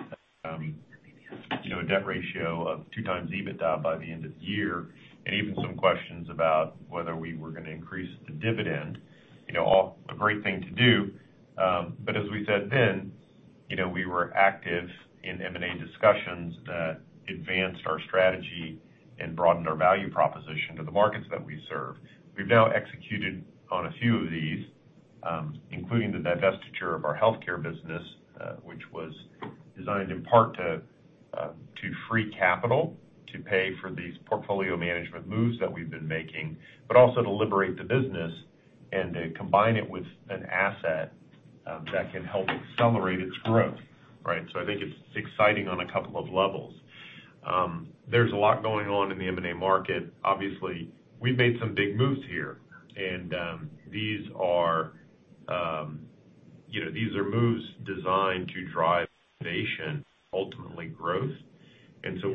you know, a debt ratio of 2x EBITDA by the end of the year, and even some questions about whether we were gonna increase the dividend, you know, all a great thing to do. As we said then, you know, we were active in M&A discussions that advanced our strategy and broadened our value proposition to the markets that we serve. We've now executed on a few of these, including the divestiture of our healthcare business, which was designed in part to free capital to pay for these portfolio management moves that we've been making, but also to liberate the business and to combine it with an asset that can help accelerate its growth, right? I think it's exciting on a couple of levels. There's a lot going on in the M&A market. Obviously, we've made some big moves here, and these are, you know, these are moves designed to drive innovation, ultimately growth.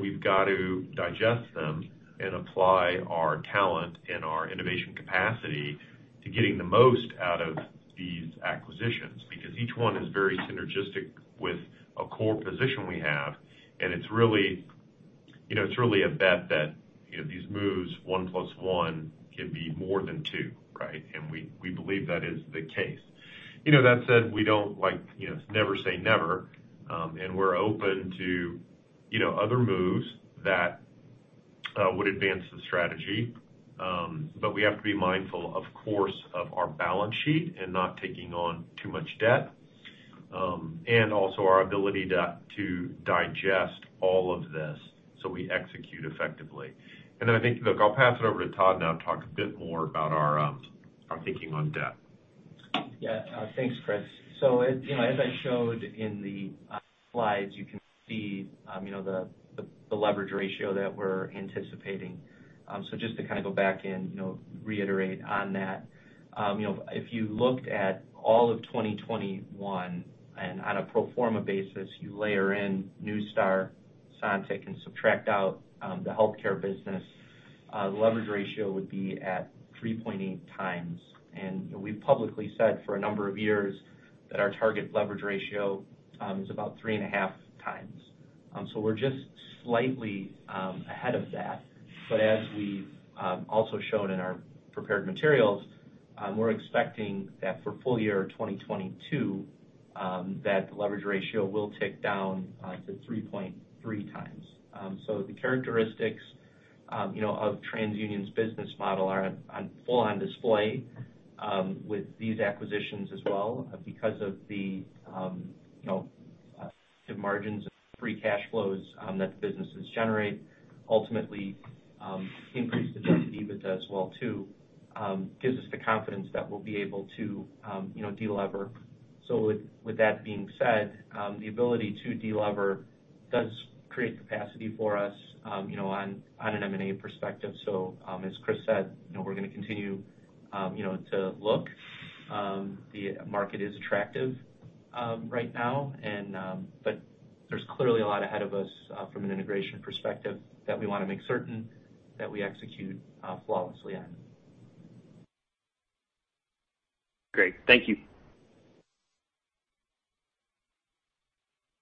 We've got to digest them and apply our talent and our innovation capacity to getting the most out of these acquisitions, because each one is very synergistic with a core position we have. It's really, you know, it's really a bet that, you know, these moves, one plus one can be more than two, right? We believe that is the case. You know, that said, we don't like, you know, never say never, and we're open to, you know, other moves that would advance the strategy. We have to be mindful, of course, of our balance sheet and not taking on too much debt, and also our ability to digest all of this so we execute effectively. I think, look, I'll pass it over to Todd now to talk a bit more about our thinking on debt. Thanks, Chris. As you know, as I showed in the slides, you can see the leverage ratio that we're anticipating. Just to kinda go back and you know, reiterate on that. You know, if you looked at all of 2021 and on a pro forma basis, you layer in Neustar, Sontiq, and subtract out the healthcare business, the leverage ratio would be at 3.8x. We've publicly said for a number of years that our target leverage ratio is about 3.5x. We're just slightly ahead of that. As we've also shown in our prepared materials, we're expecting that for full year 2022, that the leverage ratio will tick down to 3.3x. The characteristics, you know, of TransUnion's business model are on full display with these acquisitions as well because of the, you know, the margins and free cash flows that the businesses generate ultimately increase the EBITDA as well too. Gives us the confidence that we'll be able to, you know, de-lever. With that being said, the ability to de-lever does create capacity for us, you know, on an M&A perspective. As Chris said, you know, we're gonna continue, you know, to look. The market is attractive right now, but there's clearly a lot ahead of us from an integration perspective that we wanna make certain that we execute flawlessly on. Great. Thank you.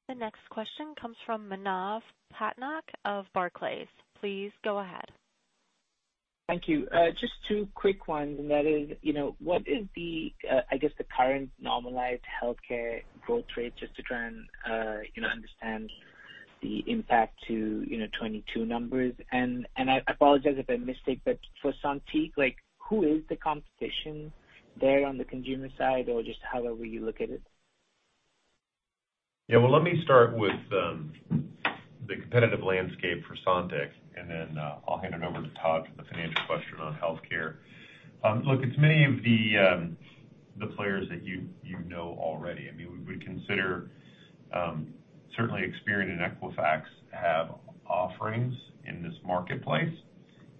The next question comes from Manav Patnaik of Barclays. Please go ahead. Thank you. Just two quick ones, and that is, you know, what is the, I guess, the current normalized Healthcare growth rate just to try and, you know, understand the impact to, you know, 22 numbers? I apologize if I missed it, but for Sontiq, like, who is the competition there on the consumer side, or just however you look at it? Yeah. Well, let me start with the competitive landscape for Sontiq, and then I'll hand it over to Todd for the financial question on healthcare. Look, it's many of the players that you know already. I mean, we consider certainly Experian and Equifax have offerings in this marketplace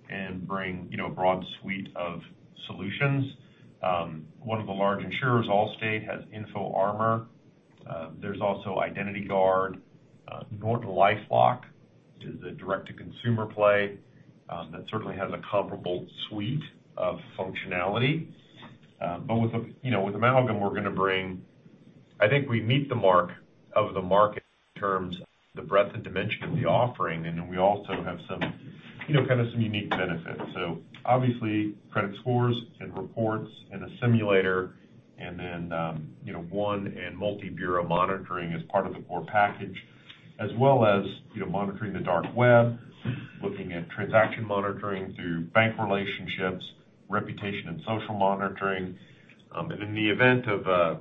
and bring you know a broad suite of solutions. One of the large insurers, Allstate, has InfoArmor. There's also Identity Guard. NortonLifeLock is a direct-to-consumer play that certainly has a comparable suite of functionality. With the you know with Sontiq we're gonna bring. I think we meet the mark of the market in terms of the breadth and dimension of the offering, and then we also have some you know kind of some unique benefits. Obviously credit scores and reports and a simulator and then, you know, one and multi-bureau monitoring as part of the core package, as well as, you know, monitoring the dark web, looking at transaction monitoring through bank relationships, reputation and social monitoring. In the event of a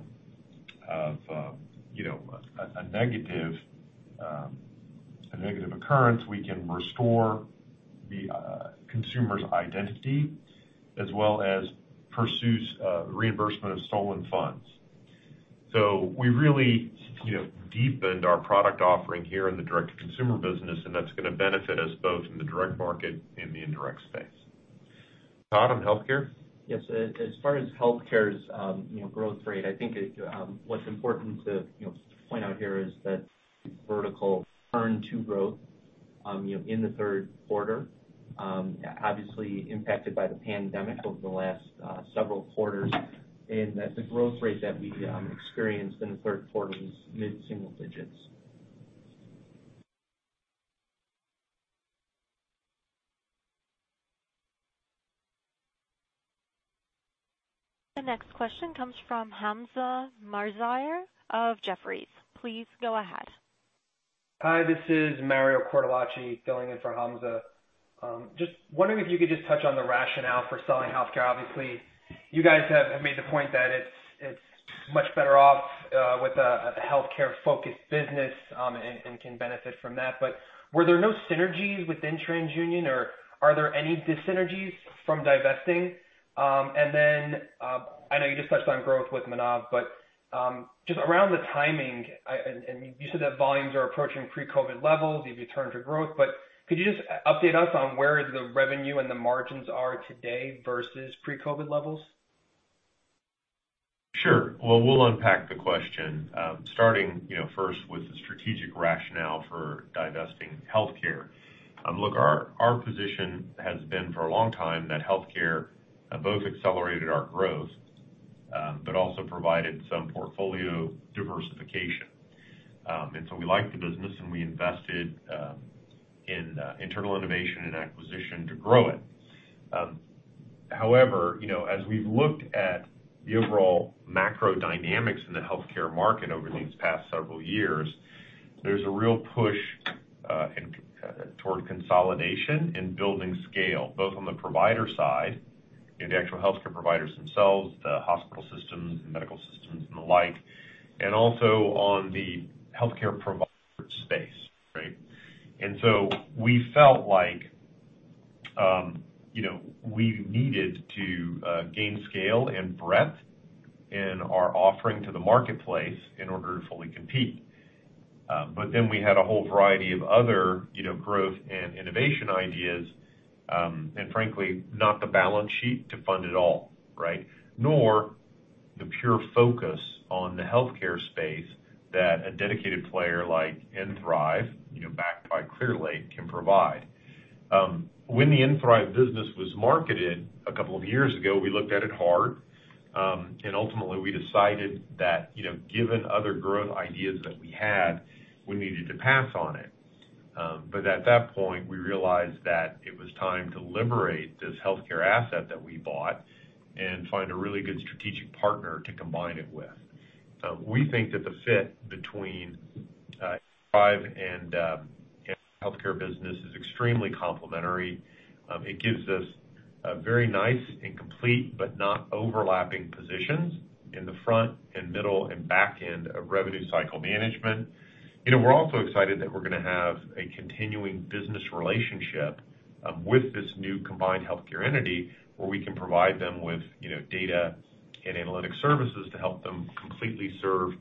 negative occurrence, we can restore the consumer's identity as well as pursue reimbursement of stolen funds. We really, you know, deepened our product offering here in the direct-to-consumer business, and that's gonna benefit us both in the direct market and the indirect space. Todd, on healthcare? Yes. As far as Healthcare's, you know, growth rate, I think it, what's important to, you know, point out here is that vertical return to growth, you know, in the third quarter, obviously impacted by the pandemic over the last several quarters, and that the growth rate that we experienced in the third quarter was mid-single digits%. The next question comes from Hamzah Mazari of Jefferies. Please go ahead. Hi, this is Mario Cortellacci filling in for Hamzah. Just wondering if you could just touch on the rationale for selling healthcare. Obviously, you guys have made the point that it's much better off with a healthcare-focused business, and can benefit from that. Were there no synergies within TransUnion, or are there any dyssynergies from divesting? Then, I know you just touched on growth with Manav, but just around the timing, and you said that volumes are approaching pre-COVID levels if you return to growth, but could you just update us on where the revenue and the margins are today versus pre-COVID levels? Sure. Well, we'll unpack the question, starting, you know, first with the strategic rationale for divesting healthcare. Look, our position has been for a long time that healthcare both accelerated our growth, but also provided some portfolio diversification. We like the business and we invested in internal innovation and acquisition to grow it. However, you know, as we've looked at the overall macro dynamics in the healthcare market over these past several years, there's a real push toward consolidation and building scale, both on the provider side, the actual healthcare providers themselves, the hospital systems and medical systems and the like, and also on the healthcare provider space, right? We felt like, you know, we needed to gain scale and breadth in our offering to the marketplace in order to fully compete. We had a whole variety of other, you know, growth and innovation ideas, and frankly, not the balance sheet to fund it all, right? Nor the pure focus on the healthcare space that a dedicated player like nThrive, you know, backed by Clearlake, can provide. When the nThrive business was marketed a couple of years ago, we looked at it hard, and ultimately we decided that, you know, given other growth ideas that we had, we needed to pass on it. At that point, we realized that it was time to liberate this healthcare asset that we bought and find a really good strategic partner to combine it with. We think that the fit between nThrive and healthcare business is extremely complementary. It gives us a very nice and complete but not overlapping positions in the front and middle and back end of revenue cycle management. You know, we're also excited that we're gonna have a continuing business relationship with this new combined healthcare entity, where we can provide them with, you know, data and analytic services to help them completely serve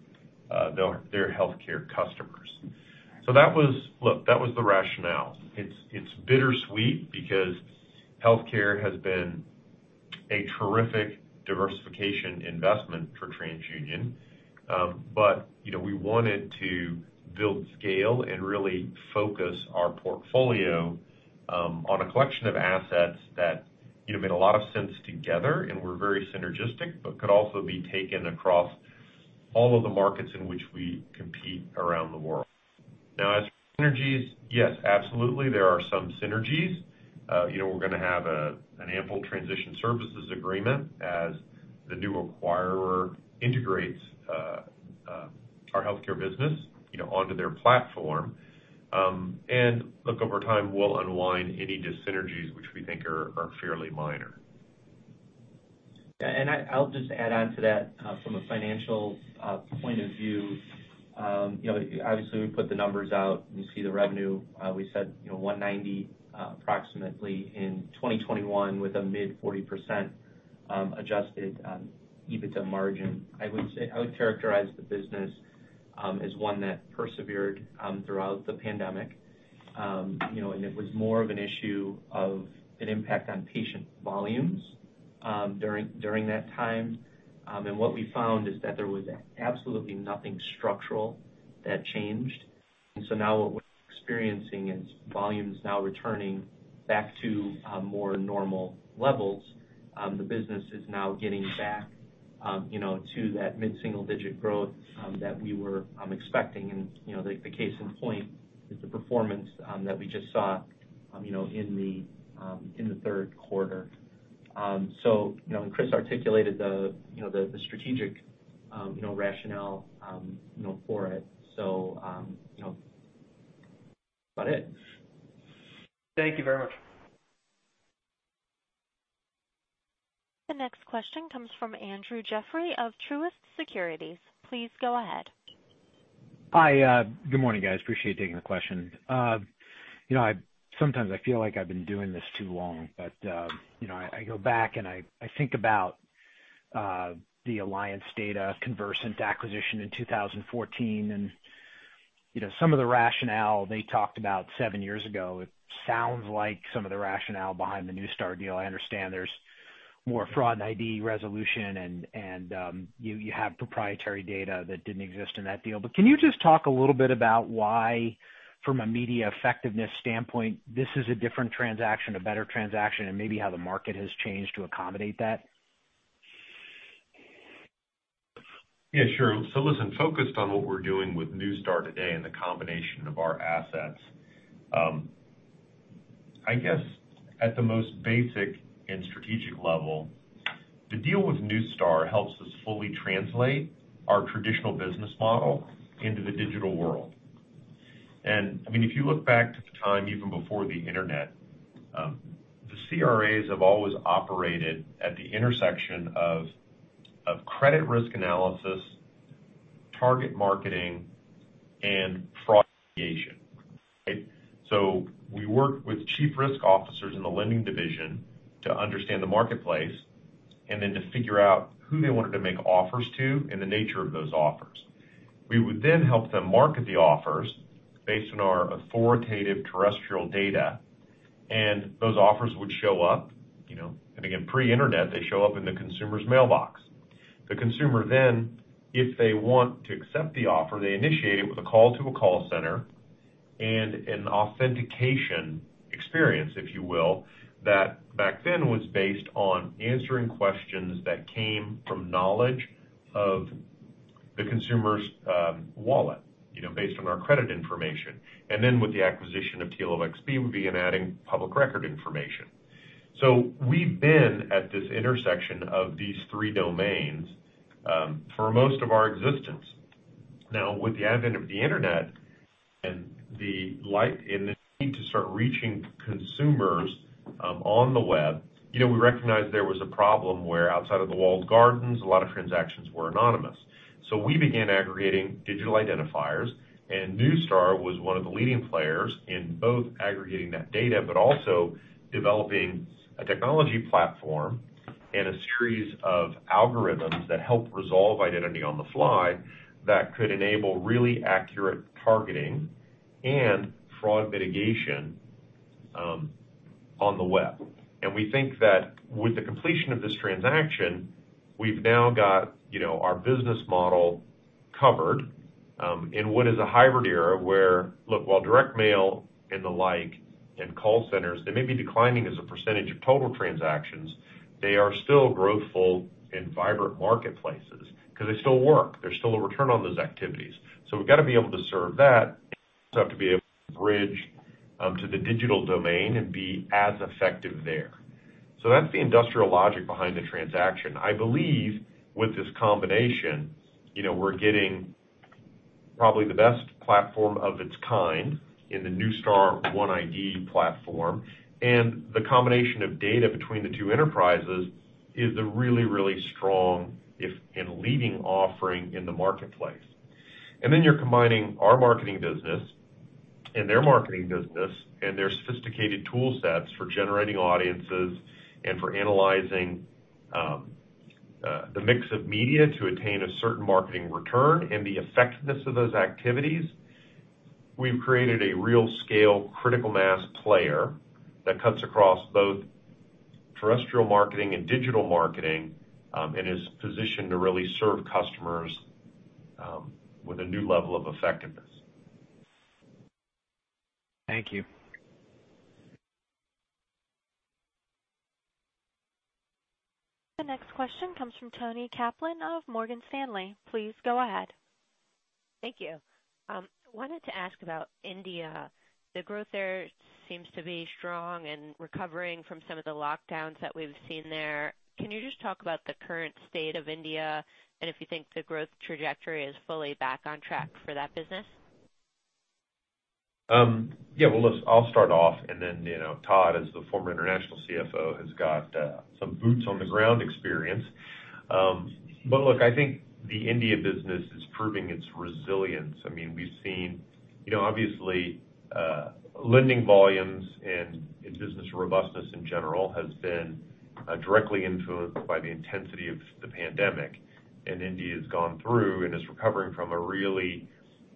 their healthcare customers. Look, that was the rationale. It's bittersweet because healthcare has been a terrific diversification investment for TransUnion, but, you know, we wanted to build scale and really focus our portfolio on a collection of assets that, you know, made a lot of sense together and were very synergistic, but could also be taken across all of the markets in which we compete around the world. Now as synergies, yes, absolutely there are some synergies. You know, we're gonna have an ample transition services agreement as the new acquirer integrates our healthcare business, you know, onto their platform. Look, over time, we'll unwind any dis-synergies which we think are fairly minor. Yeah, I'll just add on to that from a financial point of view, you know, obviously, we put the numbers out and you see the revenue we said, you know, $190 approximately in 2021 with a mid-40% adjusted EBITDA margin. I would characterize the business as one that persevered throughout the pandemic. You know, it was more of an issue of an impact on patient volumes during that time. What we found is that there was absolutely nothing structural that changed. Now what we're experiencing is volumes returning back to more normal levels. The business is now getting back, you know, to that mid-single-digit growth that we were expecting. You know, the case in point is the performance that we just saw, you know, in the third quarter. You know, Chris articulated the you know, the strategic you know, rationale you know, for it. You know, that's about it. Thank you very much. The next question comes from Andrew Jeffery of Truist Securities. Please go ahead. Hi. Good morning, guys. Appreciate taking the question. You know, sometimes I feel like I've been doing this too long, but you know, I go back and I think about the Alliance Data Conversant acquisition in 2014. Some of the rationale they talked about seven years ago, it sounds like some of the rationale behind the Neustar deal. I understand there's more fraud and ID resolution and you have proprietary data that didn't exist in that deal. Can you just talk a little bit about why, from a media effectiveness standpoint, this is a different transaction, a better transaction, and maybe how the market has changed to accommodate that? Yeah, sure. Listen, focused on what we're doing with Neustar today and the combination of our assets. I guess at the most basic and strategic level, the deal with Neustar helps us fully translate our traditional business model into the digital world. I mean, if you look back to the time even before the internet, the CRAs have always operated at the intersection of credit risk analysis, target marketing, and fraud mitigation. Right? We work with chief risk officers in the lending division to understand the marketplace and then to figure out who they wanted to make offers to and the nature of those offers. We would then help them market the offers based on our authoritative terrestrial data, and those offers would show up, you know. Again, pre-internet, they show up in the consumer's mailbox. The consumer, if they want to accept the offer, they initiate it with a call to a call center and an authentication experience, if you will, that back then was based on answering questions that came from knowledge of the consumer's wallet, you know, based on our credit information with the acquisition of TLOxp would be in adding public record information. We've been at this intersection of these three domains for most of our existence. Now, with the advent of the internet and the like and the need to start reaching consumers on the web, you know, we recognized there was a problem where outside of the walled gardens, a lot of transactions were anonymous. We began aggregating digital identifiers, and Neustar was one of the leading players in both aggregating that data, but also developing a technology platform and a series of algorithms that help resolve identity on the fly that could enable really accurate targeting and fraud mitigation, on the web. We think that with the completion of this transaction, we've now got, you know, our business model covered, in what is a hybrid era where look, while direct mail and the like and call centers, they may be declining as a percentage of total transactions, they are still growthful and vibrant marketplaces 'cause they still work. There's still a return on those activities. We've got to be able to serve that and also have to be able to bridge, to the digital domain and be as effective there. That's the industrial logic behind the transaction. I believe with this combination, you know, we're getting probably the best platform of its kind in the Neustar OneID platform. The combination of data between the two enterprises is a really, really strong and leading offering in the marketplace. Then you're combining our marketing business and their marketing business and their sophisticated tool sets for generating audiences and for analyzing the mix of media to attain a certain marketing return and the effectiveness of those activities. We've created a real scale critical mass player that cuts across both terrestrial marketing and digital marketing and is positioned to really serve customers with a new level of effectiveness. Thank you. The next question comes from Toni Kaplan of Morgan Stanley. Please go ahead. Thank you. I wanted to ask about India. The growth there seems to be strong and recovering from some of the lockdowns that we've seen there. Can you just talk about the current state of India and if you think the growth trajectory is fully back on track for that business? Yeah. Well, look, I'll start off, and then, you know, Todd, as the former international CFO, has got some boots on the ground experience. Look, I think the India business is proving its resilience. I mean, we've seen you know, obviously, lending volumes and business robustness in general has been directly influenced by the intensity of the pandemic. India's gone through and is recovering from a really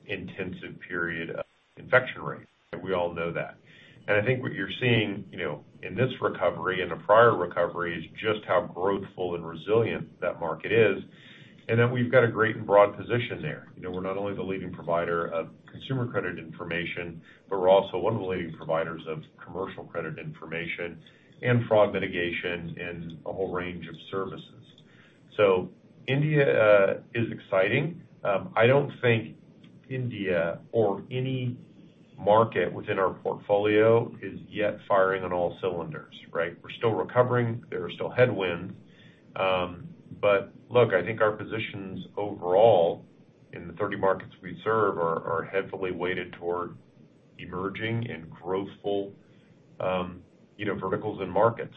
intensive period of infection rates, and we all know that. I think what you're seeing, you know, in this recovery and the prior recovery is just how growthful and resilient that market is, and that we've got a great and broad position there. You know, we're not only the leading provider of consumer credit information, but we're also one of the leading providers of commercial credit information and fraud mitigation and a whole range of services. India is exciting. I don't think India or any market within our portfolio is yet firing on all cylinders, right? We're still recovering. There are still headwinds. Look, I think our positions overall in the 30 markets we serve are heavily weighted toward emerging and growthful, you know, verticals and markets.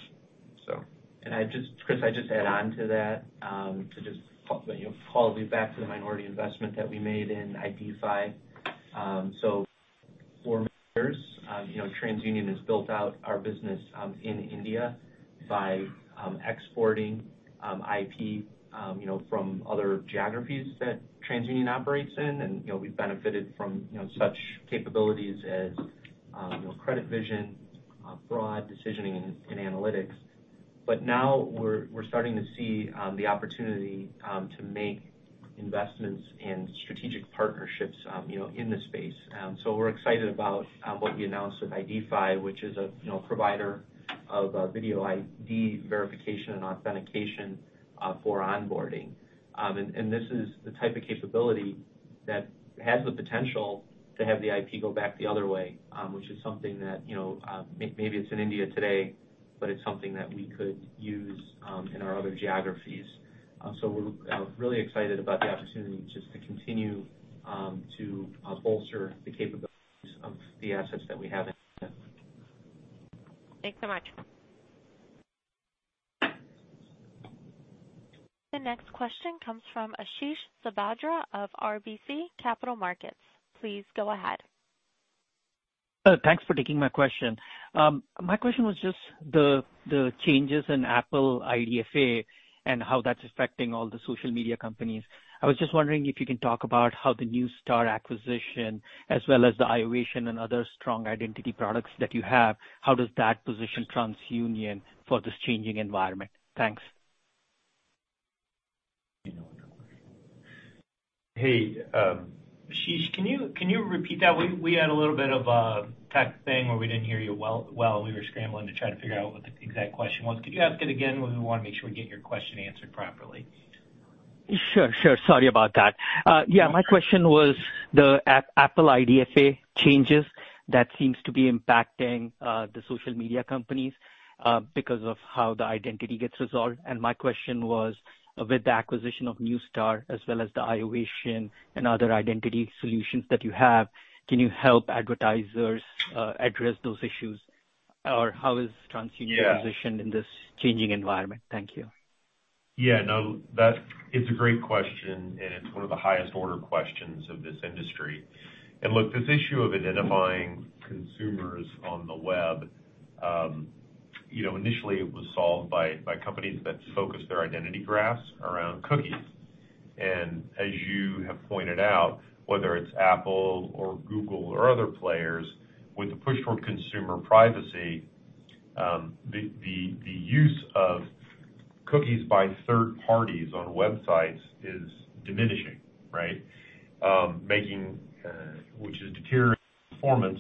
I just Chris, I'd just add on to that, to just follow back to the minority investment that we made in IDfy. For years, you know, TransUnion has built out our business in India by exporting IP, you know, from other geographies that TransUnion operates in. You know, we've benefited from, you know, such capabilities as, you know, CreditVision, fraud decisioning and analytics. Now we're starting to see the opportunity to make investments in strategic partnerships, you know, in the space. We're excited about what we announced with IDfy, which is a, you know, provider of video ID verification and authentication for onboarding. This is the type of capability that has the potential to have the IP go back the other way, which is something that, you know, maybe it's in India today, but it's something that we could use in our other geographies. We're really excited about the opportunity just to continue to bolster the capabilities of the assets that we have in India. Thanks so much. The next question comes from Ashish Sabadra of RBC Capital Markets. Please go ahead. Thanks for taking my question. My question was just the changes in Apple IDFA and how that's affecting all the social media companies. I was just wondering if you can talk about how the Neustar acquisition as well as the iovation and other strong identity products that you have, how does that position TransUnion for this changing environment? Thanks. Hey, Ashish, can you repeat that? We had a little bit of a tech thing where we didn't hear you well. We were scrambling to try to figure out what the exact question was. Could you ask it again? We wanna make sure we get your question answered properly. Sure, sure. Sorry about that. Yeah, my question was the Apple IDFA changes that seems to be impacting the social media companies because of how the identity gets resolved. My question was, with the acquisition of Neustar as well as the iovation and other identity solutions that you have, can you help advertisers address those issues? Or how is TransUnion positioned in this changing environment? Thank you. Yeah. No, that's it. It's a great question, and it's one of the highest order questions of this industry. Look, this issue of identifying consumers on the web, you know, initially it was solved by companies that focused their identity graphs around cookies. As you have pointed out, whether it's Apple or Google or other players, with the push for consumer privacy, the use of cookies by third parties on websites is diminishing, right? Which is deteriorating performance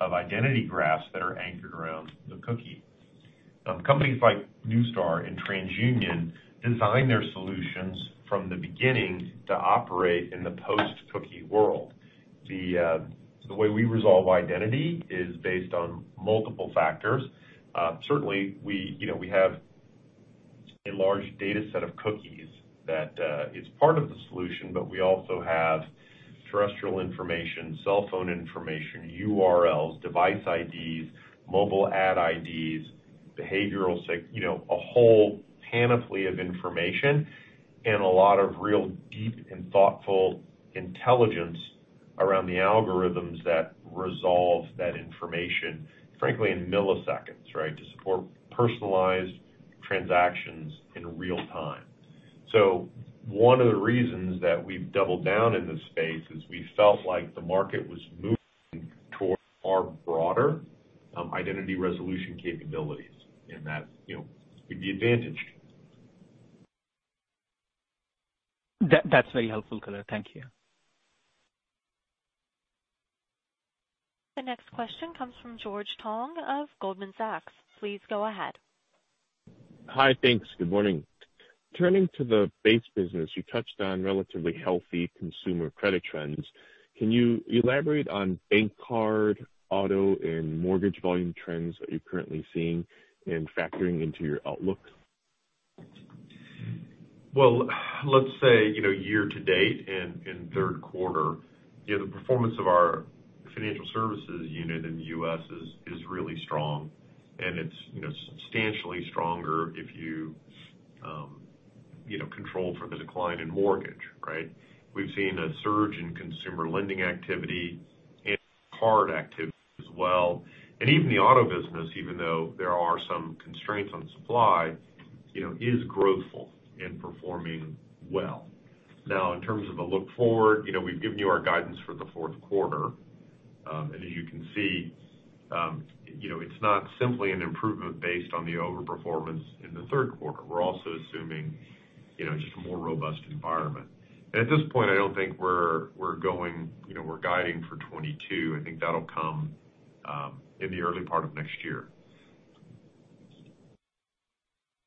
of identity graphs that are anchored around the cookie. Companies like Neustar and TransUnion design their solutions from the beginning to operate in the post-cookie world. The way we resolve identity is based on multiple factors. Certainly we, you know, we have a large data set of cookies that is part of the solution, but we also have terrestrial information, cell phone information, URLs, device IDs, mobile ad IDs, behavioral, you know, a whole panoply of information and a lot of real deep and thoughtful intelligence around the algorithms that resolve that information, frankly, in milliseconds, right? To support personalized transactions in real time. One of the reasons that we've doubled down in this space is we felt like the market was moving towards our broader identity resolution capabilities and that, you know, give the advantage. That, that's very helpful, Chris. Thank you. The next question comes from George Tong of Goldman Sachs. Please go ahead. Hi. Thanks. Good morning. Turning to the base business, you touched on relatively healthy consumer credit trends. Can you elaborate on bank card, auto, and mortgage volume trends that you're currently seeing and factoring into your outlook? Well, let's say, you know, year to date and in third quarter, you know, the performance of our financial services unit in the U.S. is really strong and it's, you know, substantially stronger if you know, control for the decline in mortgage, right? We've seen a surge in consumer lending activity and card activity as well. Even the auto business, even though there are some constraints on supply, you know, is growthful and performing well. Now, in terms of the look forward, you know, we've given you our guidance for the fourth quarter. And as you can see, you know, it's not simply an improvement based on the overperformance in the third quarter. We're also assuming, you know, just a more robust environment. At this point, I don't think we're going. You know, we're guiding for 22. I think that'll come in the early part of next year.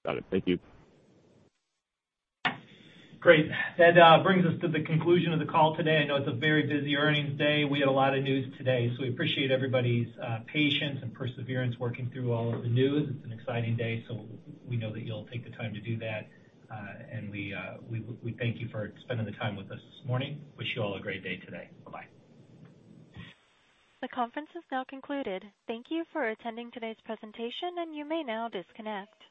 Got it. Thank you. Great. That brings us to the conclusion of the call today. I know it's a very busy earnings day. We had a lot of news today, so we appreciate everybody's patience and perseverance working through all of the news. It's an exciting day, so we know that you'll take the time to do that. We thank you for spending the time with us this morning. Wish you all a great day today. Bye-bye. The conference is now concluded. Thank you for attending today's presentation, and you may now disconnect.